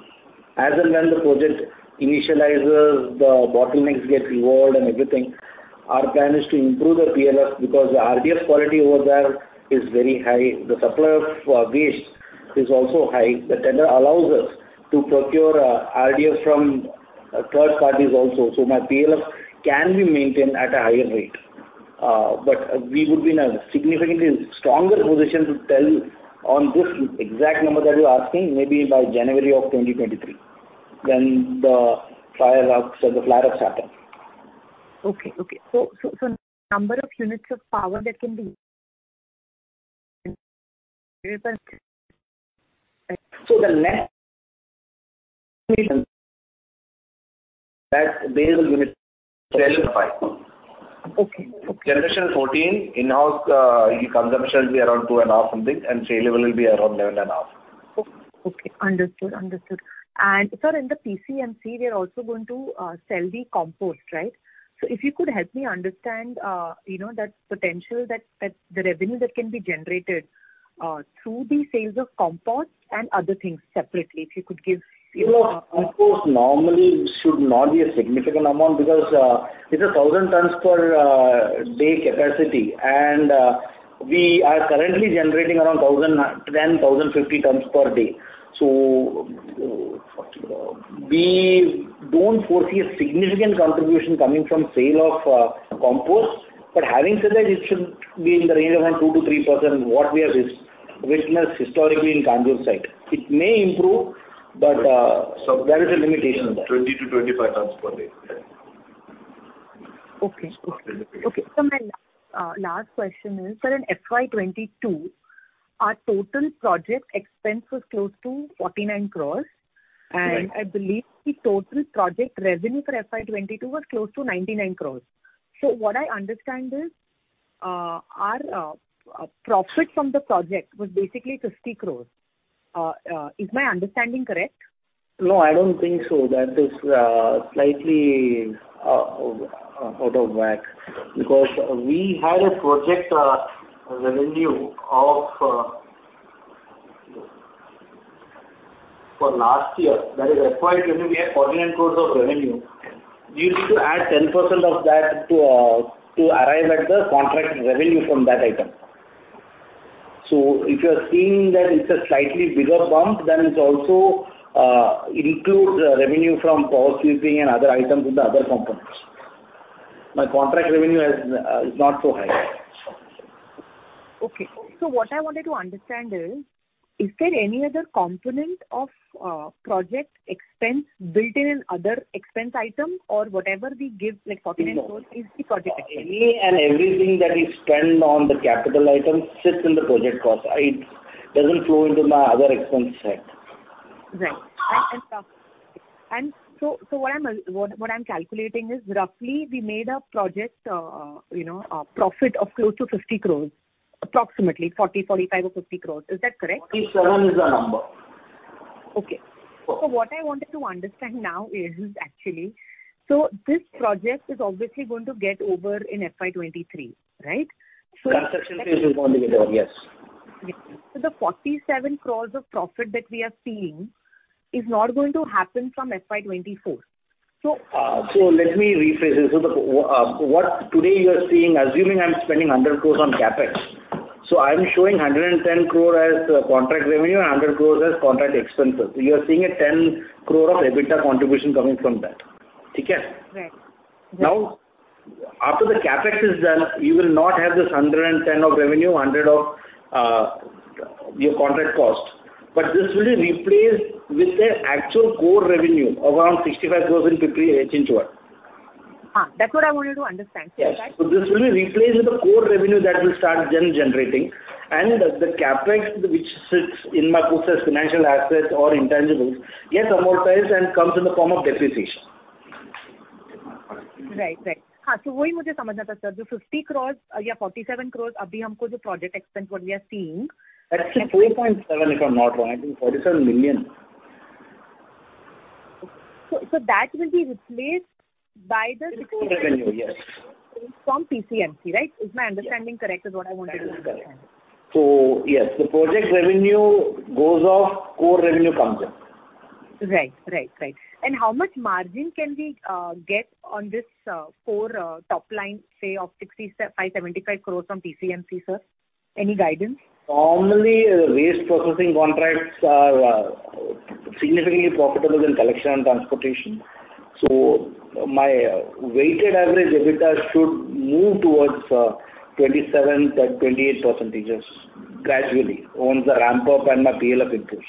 As and when the project initializes, the bottlenecks get removed and everything, our plan is to improve the PLF because the RDF quality over there is very high. The supply of waste is also high. The tender allows us to procure RDF from third parties also. My PLF can be maintained at a higher rate. We would be in a significantly stronger position to tell on this exact number that you're asking maybe by January 2023 when the fire-ups or the fire-up starts. Okay. Number of units of power that can be. The net that base unit. Okay. Generation 14 in-house consumption will be around 2.5 something, and saleable will be around 11.5. Okay. Understood. Sir, in the PCMC, we are also going to sell the compost, right? If you could help me understand, you know, that potential, that the revenue that can be generated through the sales of compost and other things separately, if you could give, you know. You know, compost normally should not be a significant amount because it's 1,000 tons per day capacity and we are currently generating around 10,050 tons per day. We don't foresee a significant contribution coming from sale of compost. Having said that, it should be in the range of around 2%-3% what we have witnessed historically in Kanjur site. It may improve, but there is a limitation there. Okay. My last question is, sir, in FY 2022, our total project expense was close to 49 crore. Right. I believe the total project revenue for FY 2022 was close to 99 crore. What I understand is, our profit from the project was basically 50 crore. Is my understanding correct? No, I don't think so. That is slightly out of whack because we had a project revenue of for last year, that is FY 2022, we had 49 crores of revenue. You need to add 10% of that to arrive at the contract revenue from that item. If you are seeing that it's a slightly bigger bump, then it also includes the revenue from power sweeping and other items with the other components. My contract revenue is not so high. Okay. What I wanted to understand is there any other component of project expense built in other expense item or whatever we give, like 49 crores is the project expense? No. Any and everything that we spend on the capital item sits in the project cost. It doesn't flow into my other expense set. Right. What I'm calculating is roughly we made a project, you know, profit of close to 50 crores, approximately 40, 45 or 50 crores. Is that correct? 47 is the number. What I wanted to understand now is actually, this project is obviously going to get over in FY 2023, right? Construction phase is going to get over, yes. The 47 crore of profit that we are seeing is not going to happen from FY 2024. Let me rephrase this. What today you are seeing, assuming I'm spending 100 crore on CapEx. I'm showing 110 crore as contract revenue and 100 crore as contract expenses. You are seeing a 10 crore of EBITDA contribution coming from that. Right. Right. Now, after the CapEx is done, you will not have this 110 of revenue, 100 of your contract cost. This will be replaced with the actual core revenue around 65 crores in 58 into one. That's what I wanted to understand. Is that right? Yes. This will be replaced with the core revenue that will start generating. The CapEx which sits in my books as financial assets or intangibles, gets amortized and comes in the form of depreciation. Right. INR 50 crores or INR 47 crores project expense what we are seeing. Actually 4.7, if I'm not wrong. I think INR 47 million. that will be replaced by the. Revenue, yes. From PCMC, right? Is my understanding correct, is what I wanted to understand. Correct. Yes, the project revenue goes off, core revenue comes in. Right. How much margin can we get on this core top line, say of 65-75 crores from PCMC, sir? Any guidance? Normally, waste processing contracts are significantly more profitable than collection and transportation. My weighted average EBITDA should move towards 27%-28% just gradually on the ramp-up and my P&L improves.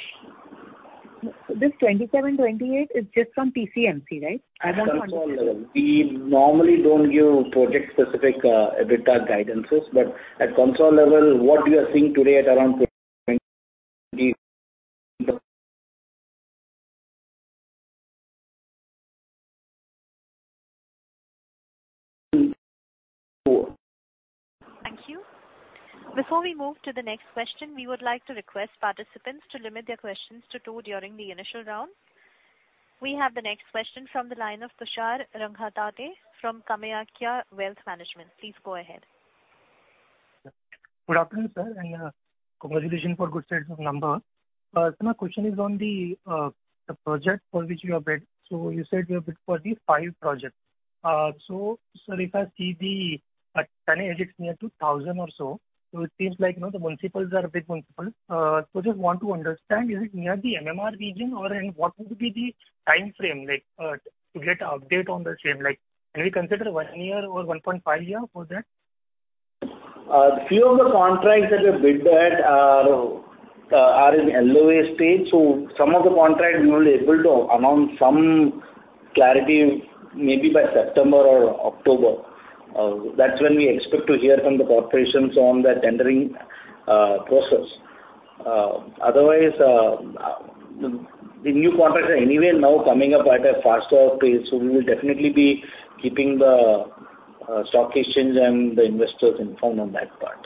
This 27, 28 is just from PCMC, right? I want to understand. At consolidated level. We normally don't give project specific EBITDA guidances. At consolidated level, what we are seeing today at around Thank you. Before we move to the next question, we would like to request participants to limit their questions to two during the initial round. We have the next question from the line of Tushar Raghatate from KamayaKya Wealth Management. Please go ahead. Good afternoon, sir, and congratulations for good set of numbers. My question is on the project for which you have bid. You said you have bid for the five projects. Sir, if I see the tonnage, it's near to 1,000 or so. It seems like, you know, the municipalities are big municipalities. Just want to understand, is it near the MMR region or, and what would be the timeframe like, to get update on the same? Like, can we consider one year or 1.5 year for that? Few of the contracts that we've bid at stage. Some of the contracts we will be able to announce some clarity maybe by September or October. That's when we expect to hear from the corporations on the tendering process. Otherwise, the new contracts are anyway now coming up at a faster pace, so we will definitely be keeping the stock exchange and the investors informed on that part.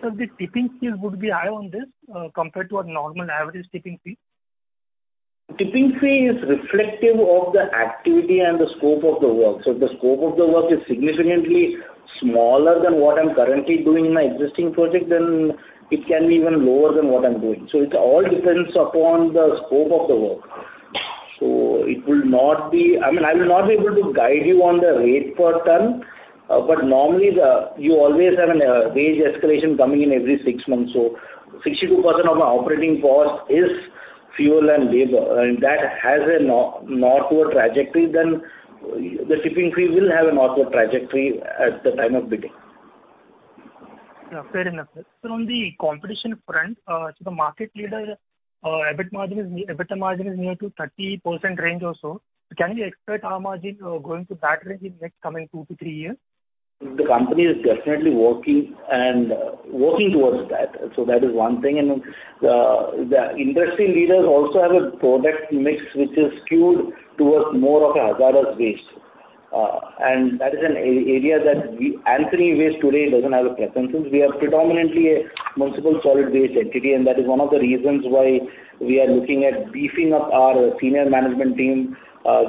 Sir, the tipping fee would be high on this, compared to a normal average tipping fee? Tipping fee is reflective of the activity and the scope of the work. If the scope of the work is significantly smaller than what I'm currently doing in my existing project, then it can be even lower than what I'm doing. It all depends upon the scope of the work. It will not be. I mean, I will not be able to guide you on the rate per ton, but normally you always have a wage escalation coming in every six months. 62% of my operating cost is fuel and labor, and that has a northward trajectory, then the tipping fee will have a northward trajectory at the time of bidding. Yeah, fair enough. On the competition front, the market leader, EBITDA margin is near to 30% range or so. Can we expect our margin going to that range in next coming two to three years? The company is definitely working towards that. That is one thing. The industry leaders also have a product mix which is skewed towards more of a hazardous waste. That is an area that we Antony Waste Handling Cell today doesn't have a presence in. We are predominantly a municipal solid waste entity, and that is one of the reasons why we are looking at beefing up our senior management team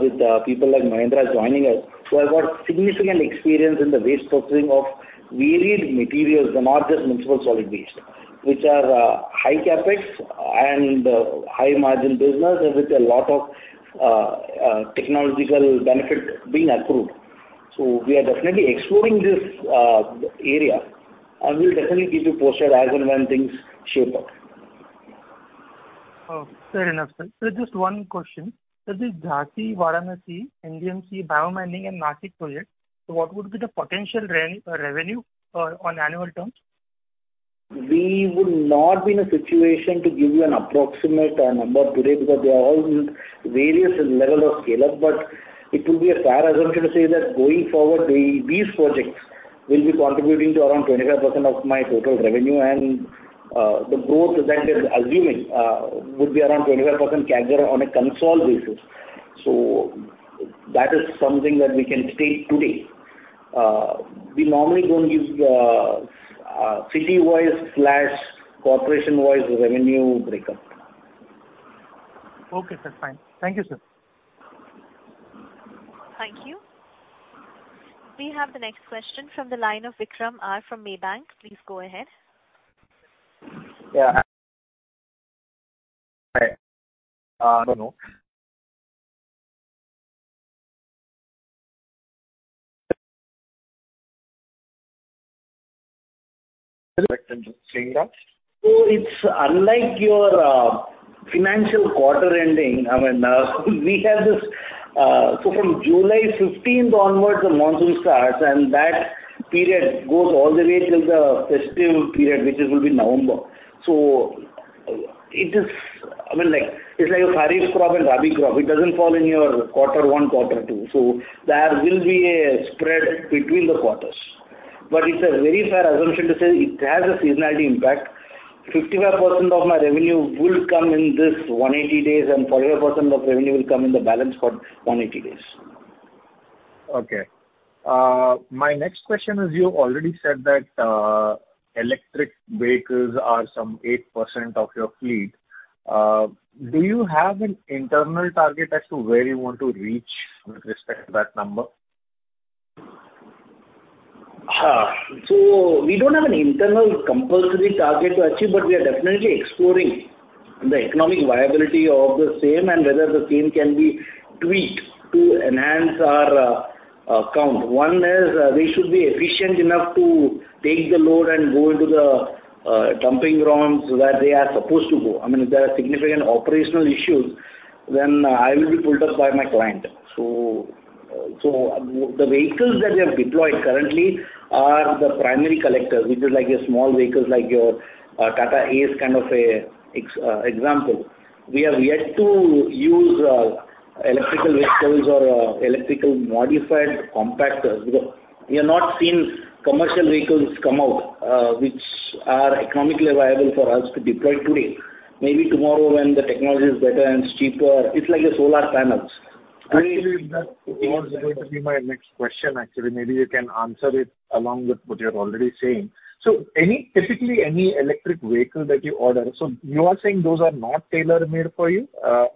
with people like Mahendra joining us, who have got significant experience in the waste processing of varied materials and not just municipal solid waste, which are high CapEx and high margin business and with a lot of technological benefit being approved. We are definitely exploring this area, and we'll definitely keep you posted as and when things shape up. Oh, fair enough, sir. Just one question. The Jhansi, Varanasi, NDMC, biomining and Nashik projects, what would be the potential revenue on annual terms? We would not be in a situation to give you an approximate number today because they are all in various level of scale-up. It will be a fair assumption to say that going forward, these projects will be contributing to around 25% of my total revenue. The growth that they're assuming would be around 25% CAGR on a consolidated basis. That is something that we can state today. We normally don't give city-wise/corporation-wise revenue breakup. Okay, sir. Fine. Thank you, sir. Thank you. We have the next question from the line of Vikram from Maybank. Please go ahead. Yeah. I don't know. Hello. It's unlike your financial quarter ending. I mean, we have this, so from July 15th onwards, the monsoon starts, and that period goes all the way till the festive period, which will be November. It is, I mean, like, it's like a kharif crop and rabi crop. It doesn't fall in your quarter one, quarter two. There will be a spread between the quarters. But it's a very fair assumption to say it has a seasonality impact. 55% of my revenue will come in this 180 days, and 45% of revenue will come in the balance for 180 days. Okay. My next question is you already said that, electric vehicles are some 8% of your fleet. Do you have an internal target as to where you want to reach with respect to that number? We don't have an internal compulsory target to achieve, but we are definitely exploring the economic viability of the same and whether the same can be tweaked to enhance our count. One is they should be efficient enough to take the load and go into the dumping grounds where they are supposed to go. I mean, if there are significant operational issues, then I will be pulled up by my client. The vehicles that we have deployed currently are the primary collectors, which is like your small vehicles, like your Tata Ace kind of a example. We have yet to use electric vehicles or electrically modified compactors because we have not seen commercial vehicles come out which are economically viable for us to deploy today. Maybe tomorrow when the technology is better and cheaper. It's like a solar panels. Actually, that was going to be my next question, actually. Maybe you can answer it along with what you're already saying. Typically any electric vehicle that you order, so you are saying those are not tailor-made for you?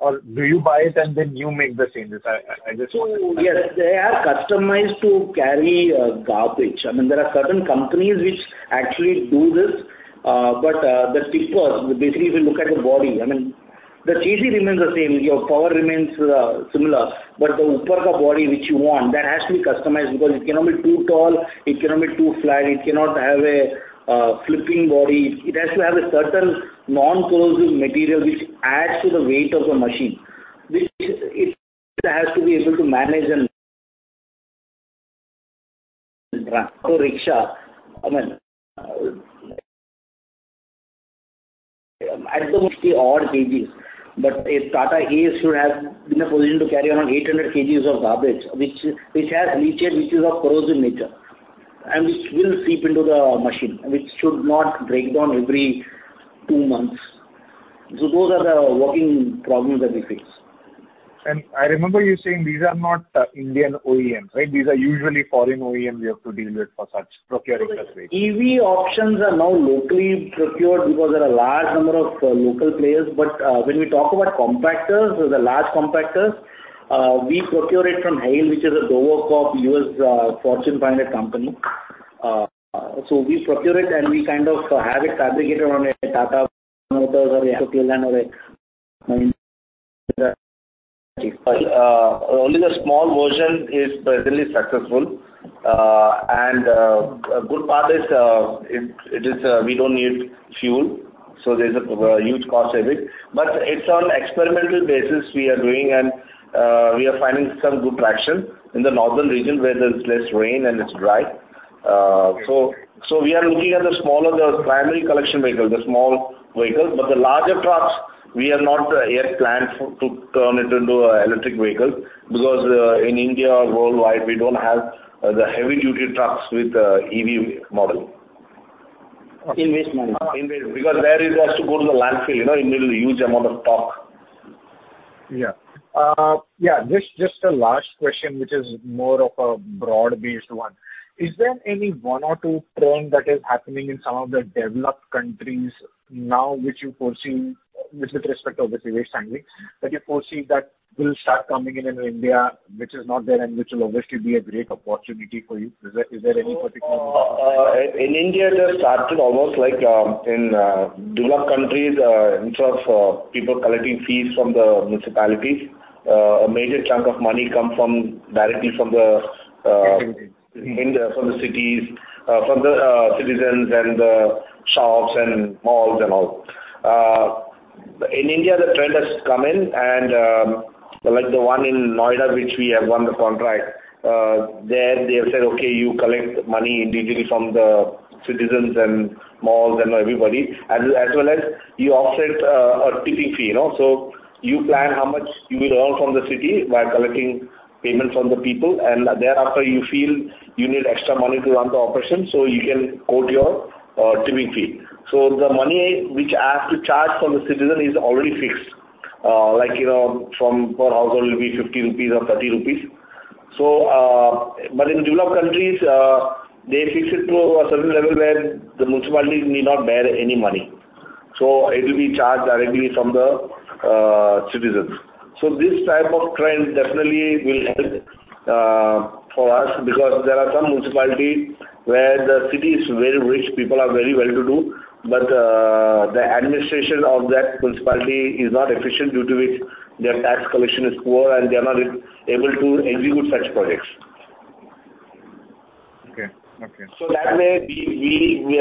Or do you buy it and then you make the changes? I just- Yes, they are customized to carry garbage. I mean, there are certain companies which actually do this, but the tipper, basically if you look at the body, I mean the chassis remains the same, your power remains similar, but the upper body which you want, that has to be customized because it cannot be too tall, it cannot be too flat, it cannot have a flipping body. It has to have a certain non-corrosive material which adds to the weight of the machine, which it has to be able to manage, I mean, at the most 1,000 KGs. But a Tata Ace should be in a position to carry around 800 KGs of garbage, which has leachate, which is of corrosive nature, and which will seep into the machine, and which should not break down every two months. Those are the working problems that we face. I remember you saying these are not Indian OEMs, right? These are usually foreign OEMs we have to deal with for such procurement purposes. EV options are now locally procured because there are a large number of local players. When we talk about compactors, the large compactors, we procure it from Heil, which is a Dover Corporation U.S., Fortune 500 company. We procure it, and we kind of have it fabricated on a Tata Motors or a Yeah. Only the small version is presently successful. A good part is it is we don't need fuel, so there's a huge cost saving. It's on experimental basis we are doing and we are finding some good traction in the northern region where there's less rain and it's dry. We are looking at the smaller, the primary collection vehicle, the small vehicles. The larger trucks, we have not yet planned to turn it into an electric vehicle because in India or worldwide, we don't have the heavy duty trucks with the EV model. In waste management. In waste. Because there it has to go to the landfill, you know, you need a huge amount of torque. Yeah. Yeah. Just a last question, which is more of a broad-based one. Is there any one or two trend that is happening in some of the developed countries now, which you foresee with respect, obviously, waste handling, that you foresee that will start coming in in India, which is not there and which will obviously be a great opportunity for you? Is there any particular- In India, it has started almost like in developed countries in terms of people collecting fees from the municipalities. A major chunk of money come from directly from the Cities. Mm-hmm. India, from the cities, from the citizens and the shops and malls and all. In India, the trend has come in and, like the one in Noida, which we have won the contract, there they have said, "Okay, you collect money individually from the citizens and malls and everybody, as well as you offset a tipping fee, you know. You plan how much you will earn from the city by collecting payments from the people, and thereafter you feel you need extra money to run the operation, so you can quote your tipping fee. The money which I have to charge from the citizen is already fixed. Like, you know, per household will be 50 rupees or 30 rupees. In developed countries, they fix it to a certain level where the municipality need not bear any money. It will be charged directly from the citizens. This type of trend definitely will help for us because there are some municipality where the city is very rich, people are very well-to-do, but the administration of that municipality is not efficient due to which their tax collection is poor and they are not able to execute such projects. Okay. That way we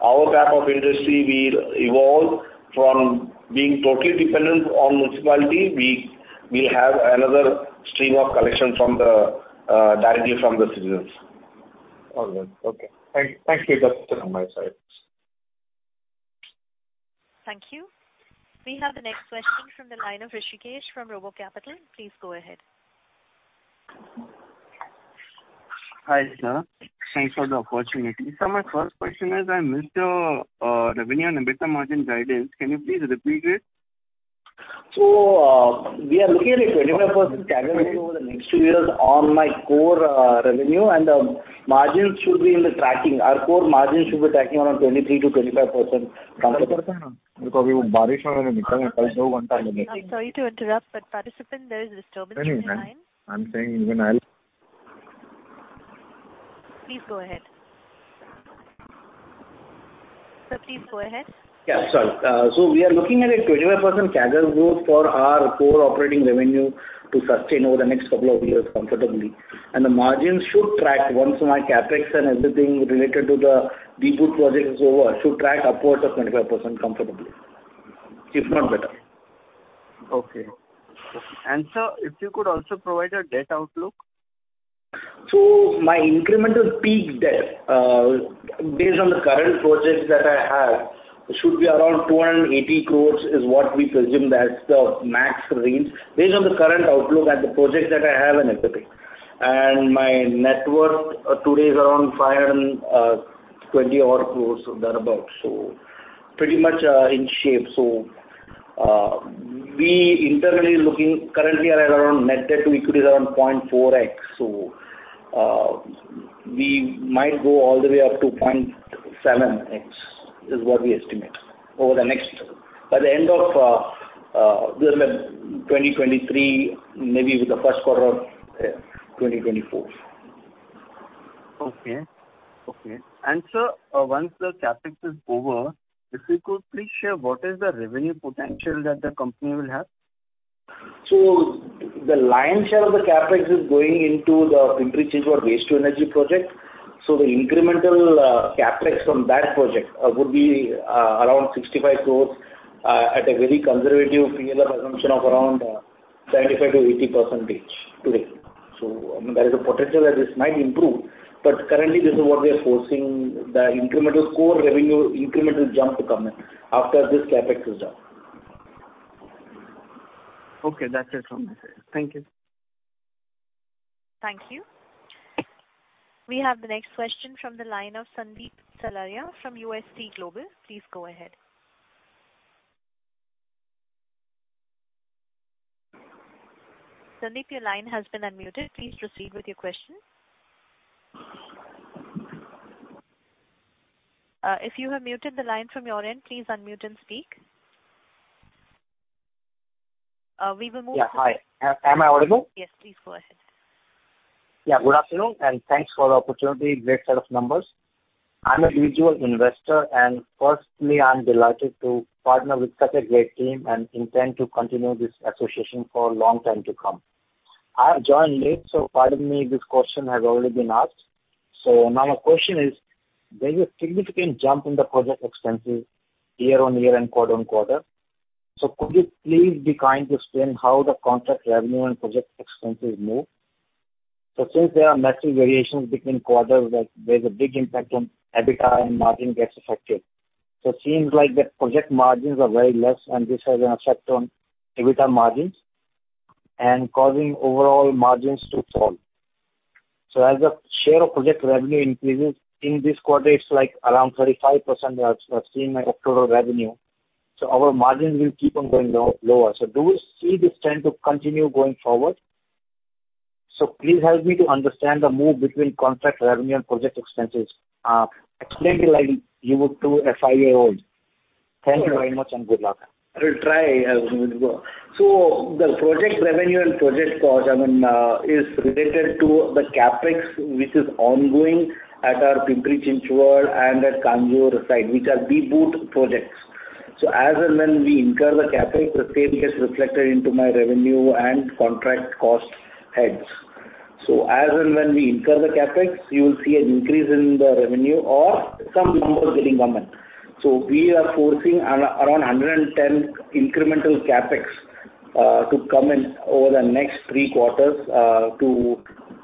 our type of industry will evolve from being totally dependent on municipality. We will have another stream of collection from the directly from the citizens. All right. Okay. Thank you. That's it from my side. Thank you. We have the next question from the line of Rishikesh from RoboCapital. Please go ahead. Hi, sir. Thanks for the opportunity. My first question is, I missed your revenue and EBITDA margins guidance. Can you please repeat it? We are looking at a 25% CAGR over the next two years on our core revenue. Our core margins should be tracking around 23%-25% comfortably. I'm sorry to interrupt, but participant, there is disturbance in your line. I'm saying even I'll. Please go ahead. Sir, please go ahead. We are looking at a 25% CAGR growth for our core operating revenue to sustain over the next couple of years comfortably. The margins should track once my CapEx and everything related to the DBOOT project is over, should track upwards of 25% comfortably, if not better. Okay. Sir, if you could also provide a debt outlook. My incremental peak debt, based on the current projects that I have, should be around 280 crore is what we presume as the max range based on the current outlook and the projects that I have in the pipeline. My net worth today is around 520-odd crores or thereabout. Pretty much in shape. We internally looking currently are at around net debt to equity is around 0.4x. We might go all the way up to 0.7x is what we estimate over the next. By the end of 2023, maybe with the first quarter of 2024. Okay. Sir, once the CapEx is over, if you could please share what is the revenue potential that the company will have? The lion's share of the CapEx is going into the Pimpri-Chinchwad waste to energy project. The incremental CapEx from that project would be around 65 crore at a very conservative PLF assumption of around 75%-80% today. I mean, there is a potential that this might improve, but currently this is what we are forcing the incremental core revenue incremental jump to come in after this CapEx is done. Okay, that's it from my side. Thank you. Thank you. We have the next question from the line of Sandeep Salaria from UST Global. Please go ahead. Sandeep, your line has been unmuted. Please proceed with your question. If you have muted the line from your end, please unmute and speak. Yeah. Hi. Am I audible? Yes. Please go ahead. Yeah. Good afternoon, and thanks for the opportunity. Great set of numbers. I'm a visual investor, and firstly, I'm delighted to partner with such a great team and intend to continue this association for a long time to come. I have joined late, so pardon me if this question has already been asked. Now the question is, there's a significant jump in the project expenses year-on-year and quarter-on-quarter. Could you please be kind to explain how the contract revenue and project expenses move? Since there are massive variations between quarters that there's a big impact on EBITDA and margin gets affected. It seems like the project margins are very less and this has an effect on EBITDA margins and causing overall margins to fall. As the share of project revenue increases in this quarter, it's like around 35% as seen my total revenue, so our margins will keep on going low, lower. Do we see this trend to continue going forward? Please help me to understand the move between contract revenue and project expenses. Explain it like you would to a five-year-old. Thank you very much and good luck. I will try, Sandeep. The project revenue and project cost, I mean, is related to the CapEx which is ongoing at our Pimpri-Chinchwad and at Kanjur site, which are DBoot projects. As and when we incur the CapEx, the same gets reflected into my revenue and contract cost heads. As and when we incur the CapEx, you will see an increase in the revenue or some numbers getting momentum. We are forcing around 110 incremental CapEx to come in over the next three quarters to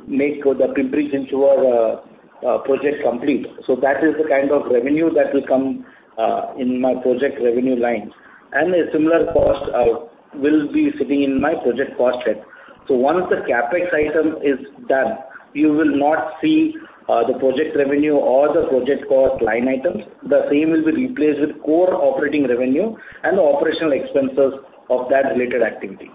make the Pimpri-Chinchwad project complete. That is the kind of revenue that will come in my project revenue line. A similar cost will be sitting in my project cost head. Once the CapEx item is done, you will not see the project revenue or the project cost line items. The same will be replaced with core operating revenue and the operational expenses of that related activity.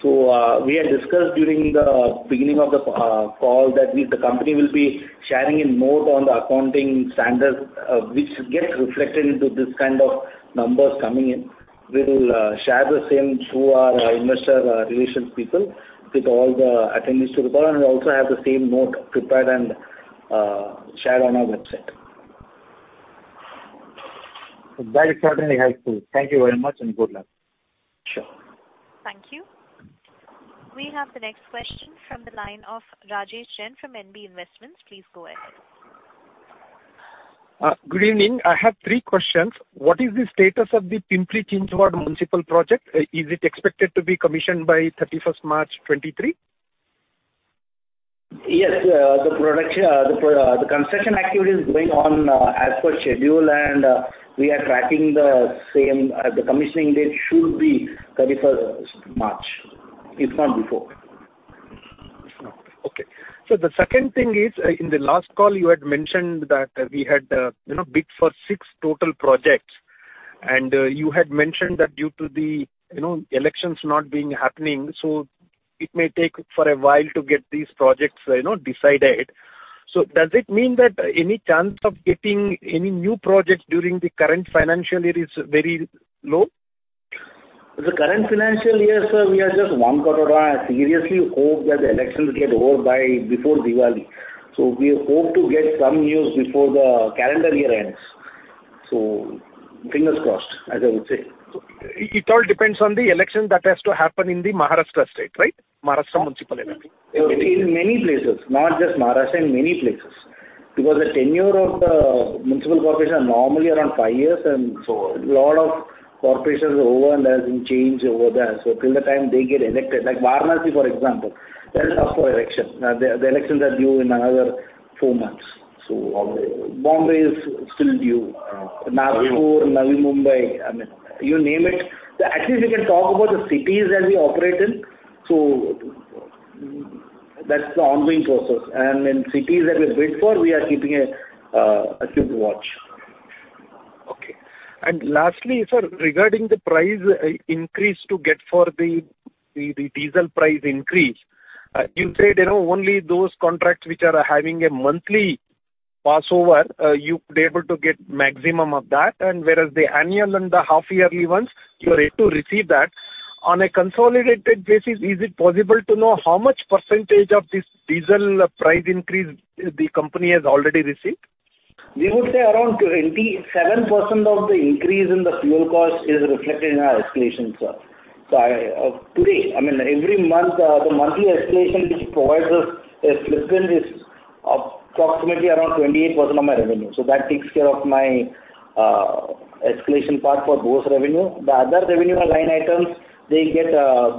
We had discussed during the beginning of the call that we, the company will be sharing a note on the accounting standards, which gets reflected into this kind of numbers coming in. We'll share the same through our investor relations people with all the attendees to the call, and we also have the same note prepared and shared on our website. That is certainly helpful. Thank you very much, and good luck. Sure. Thank you. We have the next question from the line of Rajesh Jain from NB Investments. Please go ahead. Good evening. I have three questions. What is the status of the Pimpri-Chinchwad municipal project? Is it expected to be commissioned by March 31st, 2023? Yes. The construction activity is going on, as per schedule, and we are tracking the same. The commissioning date should be March 31st, if not before. The second thing is, in the last call you had mentioned that we had, you know, bid for six total projects. You had mentioned that due to the, you know, elections not being happening, so it may take for a while to get these projects, you know, decided. Does it mean that any chance of getting any new projects during the current financial year is very low? The current financial year, sir, we are just one quarter on. I seriously hope that the elections get over before Diwali. We hope to get some news before the calendar year ends. Fingers crossed, as I would say. It all depends on the election that has to happen in the Maharashtra state, right? Maharashtra municipality. In many places, not just Maharashtra, in many places. Because the tenure of the municipal corporations are normally around five years, and so a lot of corporations over and there's been change over there. Till the time they get elected, like Varanasi, for example, they're up for election. The elections are due in another four months. Okay. Bombay is still due. Uh. Nagpur, Navi Mumbai, I mean, you name it. Actually, we can talk about the cities that we operate in. That's the ongoing process. In cities that we bid for, we are keeping a keen watch. Okay. Lastly, sir, regarding the price increase to get for the diesel price increase, you said, you know, only those contracts which are having a monthly pass-through, you were able to get maximum of that, and whereas the annual and the half-yearly ones, you are yet to receive that. On a consolidated basis, is it possible to know how much percentage of this diesel price increase the company has already received? We would say around 27% of the increase in the fuel cost is reflected in our escalation, sir. Today, I mean, every month, the monthly escalation which provides us a slippage in this. Approximately around 28% of my revenue. That takes care of my escalation part for both revenue. The other revenue line items, they get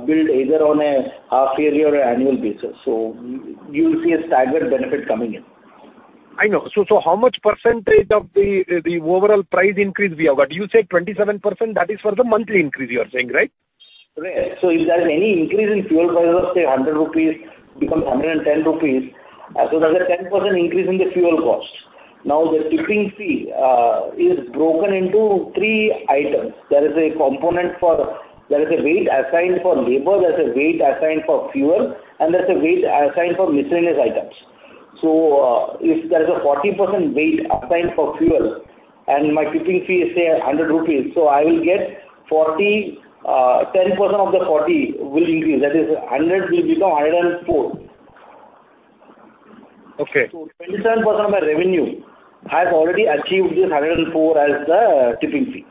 billed either on a half yearly or annual basis. You will see a staggered benefit coming in. I know. How much percentage of the overall price increase we have got? You said 27%, that is for the monthly increase you are saying, right? Right. If there's any increase in fuel prices say 100 rupees becomes 110 rupees, that is a 10% increase in the fuel cost. Now, the tipping fee is broken into three items. There is a weight assigned for labor, there's a weight assigned for fuel, and there's a weight assigned for miscellaneous items. If there is a 40% weight assigned for fuel and my tipping fee is say 100 rupees, I will get 40 INR, 10% of the 40 INR will increase. That is, 100 INR will become 104 INR. Okay. 27% of my revenue has already achieved this 104 as the tipping fee.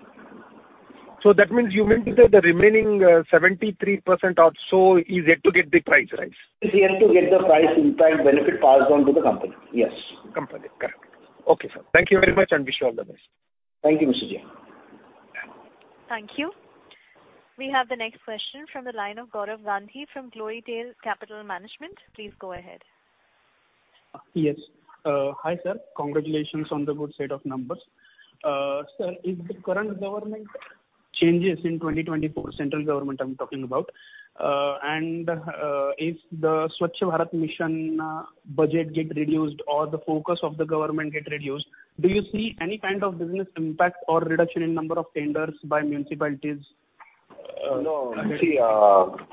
That means you meant to say the remaining, 73% or so is yet to get the price rise. Is yet to get the price impact benefit passed on to the company. Yes. Company. Correct. Okay, sir. Thank you very much, and wish you all the best. Thank you, Mr. Jain. Thank you. We have the next question from the line of Gaurav Gandhi from Glorytail Capital Management. Please go ahead. Yes. Hi sir. Congratulations on the good set of numbers. Sir, if the current government changes in 2024, central government I'm talking about, and if the Swachh Bharat Mission budget get reduced or the focus of the government get reduced, do you see any kind of business impact or reduction in number of tenders by municipalities? No.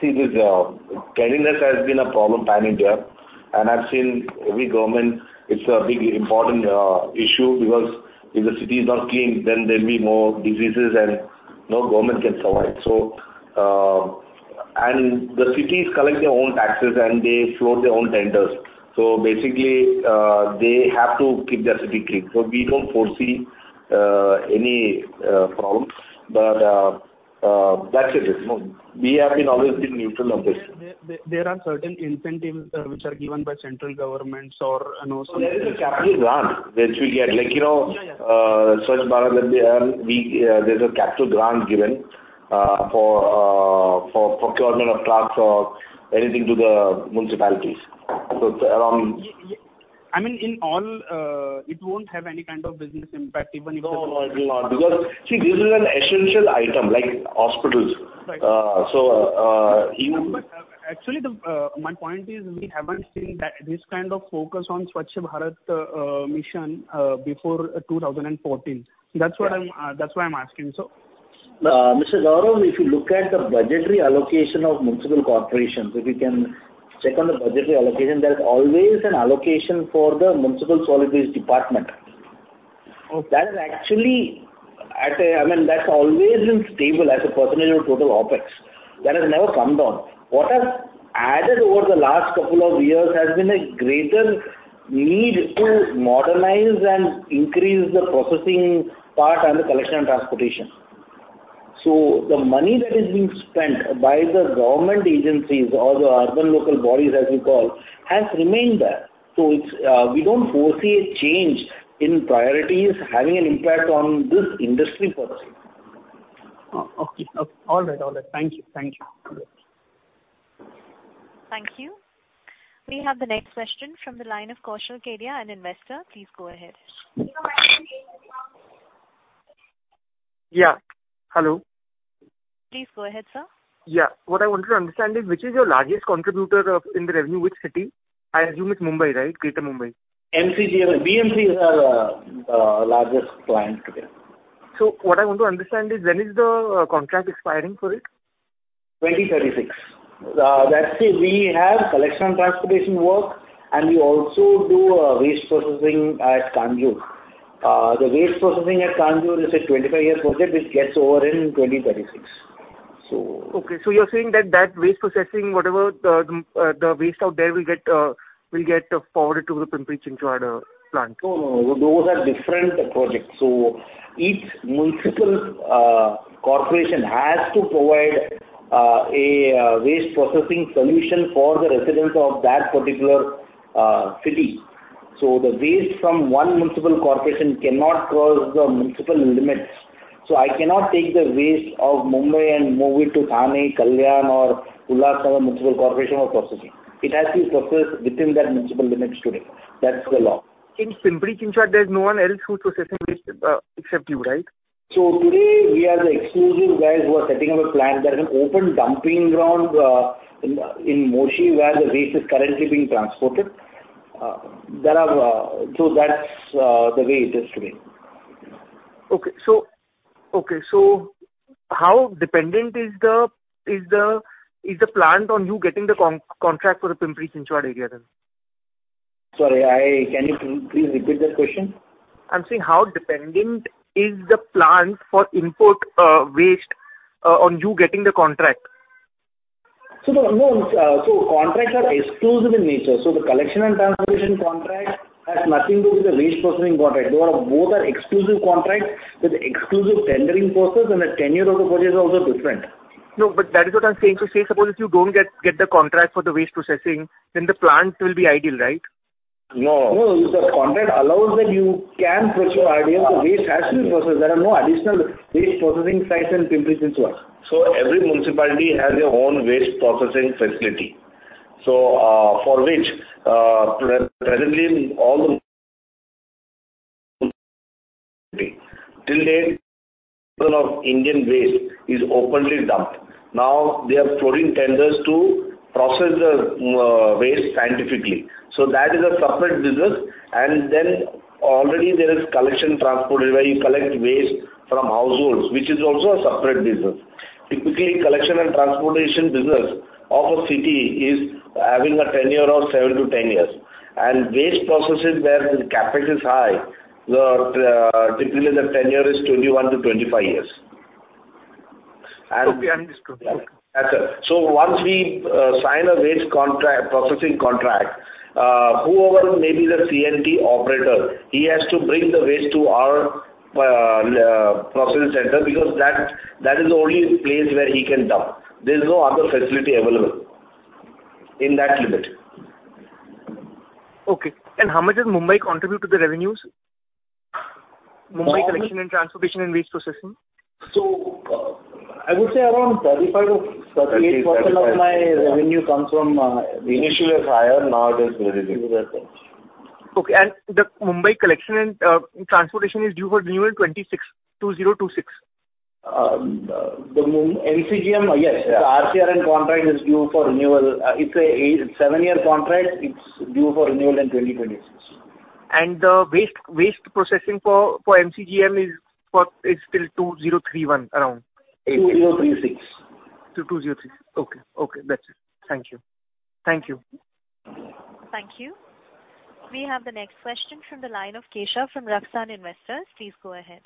See this, cleanliness has been a problem pan India, and I've seen every government. It's a big important issue because if the city is not clean, then there'll be more diseases and no government can survive. The cities collect their own taxes and they float their own tenders. Basically, they have to keep their city clean. We don't foresee any problems. That's it. No, we have always been neutral on this. There are certain incentives, which are given by central governments or, you know. There is a capital grant which we get. Like, you know. Yeah, yeah. Swachh Bharat Mission, there's a capital grant given for procurement of trucks or anything to the municipalities. It's around. I mean, in all, it won't have any kind of business impact even if the. No, no, it will not. Because, see, this is an essential item like hospitals. Right. Uh, so, uh, you. Actually, my point is we haven't seen that this kind of focus on Swachh Bharat Mission before 2014. That's why I'm asking. Mr. Gaurav, if you look at the budgetary allocation of municipal corporations, if you can check on the budgetary allocation, there's always an allocation for the municipal solid waste department. Okay. That is actually I mean, that's always been stable as a percentage of total OpEx. That has never come down. What has added over the last couple of years has been a greater need to modernize and increase the processing part and the collection and transportation. The money that is being spent by the government agencies or the urban local bodies, as you call, has remained there. It's, we don't foresee a change in priorities having an impact on this industry per se. Oh, okay. All right. All right. Thank you. Thank you. Thank you. We have the next question from the line of Kaushal Kedia, an investor. Please go ahead. Yeah. Hello. Please go ahead, sir. Yeah. What I wanted to understand is which is your largest contributor of, in the revenue, which city? I assume it's Mumbai, right? Greater Mumbai. MCGM. BMC is our largest client today. What I want to understand is when is the contract expiring for it? 2036. That's it. We have collection and transportation work, and we also do waste processing at Kanjur. The waste processing at Kanjur is a 25-year project which gets over in 2036. Okay. You're saying that waste processing, whatever the waste out there will get forwarded to the Pimpri-Chinchwad plant. No, no. Those are different projects. Each municipal corporation has to provide a waste processing solution for the residents of that particular city. The waste from one municipal corporation cannot cross the municipal limits. I cannot take the waste of Mumbai and move it to Thane, Kalyan or Ulhasnagar Municipal Corporation for processing. It has to be processed within that municipal limits today. That's the law. In Pimpri-Chinchwad there's no one else who's processing waste, except you, right? Today we are the exclusive guys who are setting up a plant. There is an open dumping ground in Moshi where the waste is currently being transported. That's the way it is today. Okay. How dependent is the plant on you getting the contract for the Pimpri-Chinchwad area then? Sorry, can you please repeat that question? I'm saying how dependent is the plant for input, waste, on you getting the contract? Contracts are exclusive in nature. The collection and transportation contract has nothing to do with the waste processing contract. Those are both exclusive contracts with exclusive tendering process and the tenure of the project is also different. No, but that is what I'm saying. Say, suppose if you don't get the contract for the waste processing, then the plant will be idle, right? No. No. If the contract allows that you can pursue RDF, the waste has to be processed. There are no additional waste processing sites in Pimpri-Chinchwad. Every municipality has their own waste processing facility. For which, presently all the Indian waste to date is openly dumped. Now they are floating tenders to process the waste scientifically. That is a separate business. Then already there is collection and transportation where you collect waste from households, which is also a separate business. Typically, collection and transportation business of a city is having a tenure of seven-10 years. Waste processing where the capital is high, typically the tenure is 21-25 years. Okay, I understood. Once we sign a waste contract, processing contract, whoever may be the C&T operator, he has to bring the waste to our processing center because that is the only place where he can dump. There is no other facility available in that limit. Okay. How much does Mumbai contribute to the revenues? Mumbai collection and transportation and waste processing. I would say around 35%-38% of my revenue comes from. Initially it was higher, now it is very little. The Mumbai collection and transportation is due for renewal 2026. The MCGM, yes. RCRN contract is due for renewal. It's a seven-year contract. It's due for renewal in 2026. The waste processing for MCGM is till 2031 around. 2036. 22036. Okay. That's it. Thank you. Thank you. We have the next question from the line of Keshav from RakSan Investors. Please go ahead.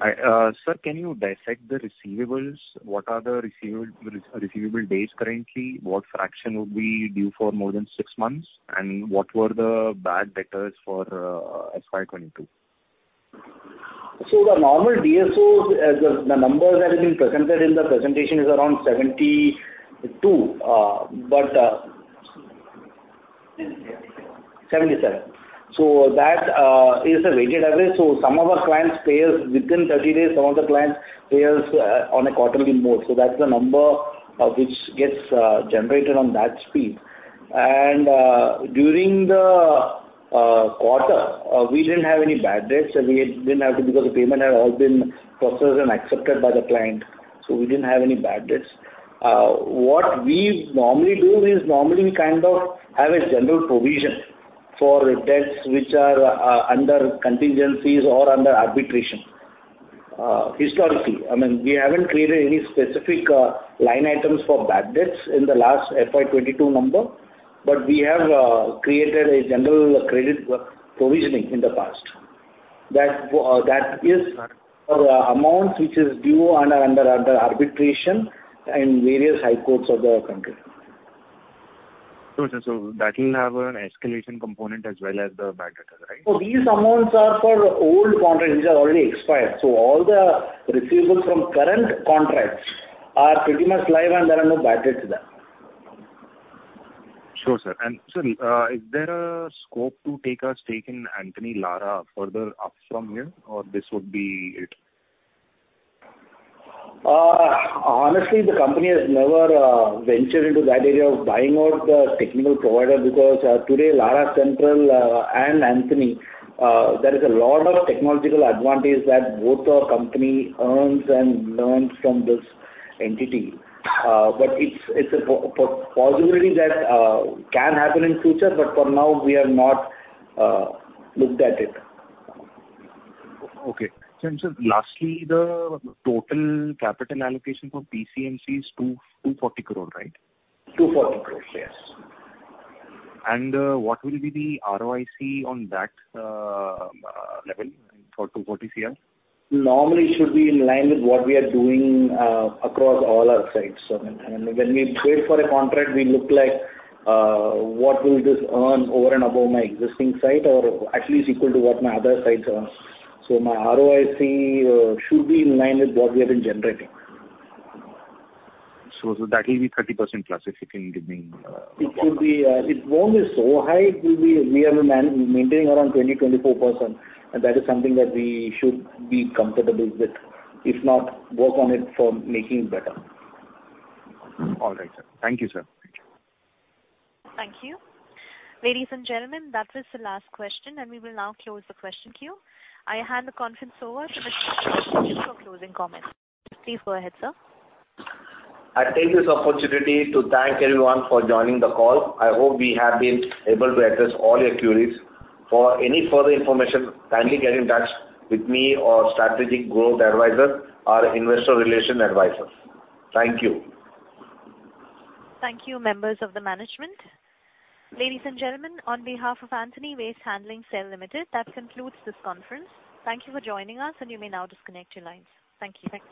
Sir, can you dissect the receivables? What are the receivable days currently? What fraction would be due for more than six months? What were the bad debtors for FY 2022? The normal DSOs as the numbers that have been presented in the presentation is around 72. 77. 77. That is a weighted average. Some of our clients pays within 30 days, some of the clients pays on a quarterly mode. That's the number which gets generated on that basis. During the quarter, we didn't have any bad debts. We didn't have to because the payment had all been processed and accepted by the client, so we didn't have any bad debts. What we normally do is we normally have a general provision for debts which are under contingencies or under arbitration. Historically, I mean, we haven't created any specific line items for bad debts in the last FY 2022 number, but we have created a general credit provisioning in the past. That is for amounts which is due under arbitration in various High Courts of the country. Sure, sir. That will have an escalation component as well as the bad debtor, right? These amounts are for old contracts which are already expired. All the receivables from current contracts are pretty much live and there are no bad debts to them. Sure, sir. Sir, is there a scope to take a stake in Antony Lara further up from here, or this would be it? Honestly, the company has never ventured into that area of buying out the technical provider because today Lara Central and Antony there is a lot of technological advantage that both our company earns and learns from this entity. It's a possibility that can happen in future, but for now we have not looked at it. Okay. Sir, lastly, the total capital allocation for PCMC is 240 crore, right? 240 crore, yes. What will be the ROIC on that level for 240 CR? Normally it should be in line with what we are doing across all our sites. I mean, when we bid for a contract, we look at, like, what will this earn over and above my existing site, or at least equal to what my other sites earn. My ROIC should be in line with what we have been generating. That will be 30% plus if you can give me, It could be. It won't be so high. It will be, we are maintaining around 20%-24%. That is something that we should be comfortable with. If not, work on it for making it better. All right, sir. Thank you, sir. Thank you. Ladies and gentlemen, that was the last question, and we will now close the question queue. I hand the conference over to [Mr. N. G. Subramanian] for closing comments. Please go ahead, sir. I take this opportunity to thank everyone for joining the call. I hope we have been able to address all your queries. For any further information, kindly get in touch with me or Strategic Growth Advisors, our investor relations advisors. Thank you. Thank you, members of the management. Ladies and gentlemen, on behalf of Antony Waste Handling Cell Limited, that concludes this conference. Thank you for joining us, and you may now disconnect your lines. Thank you.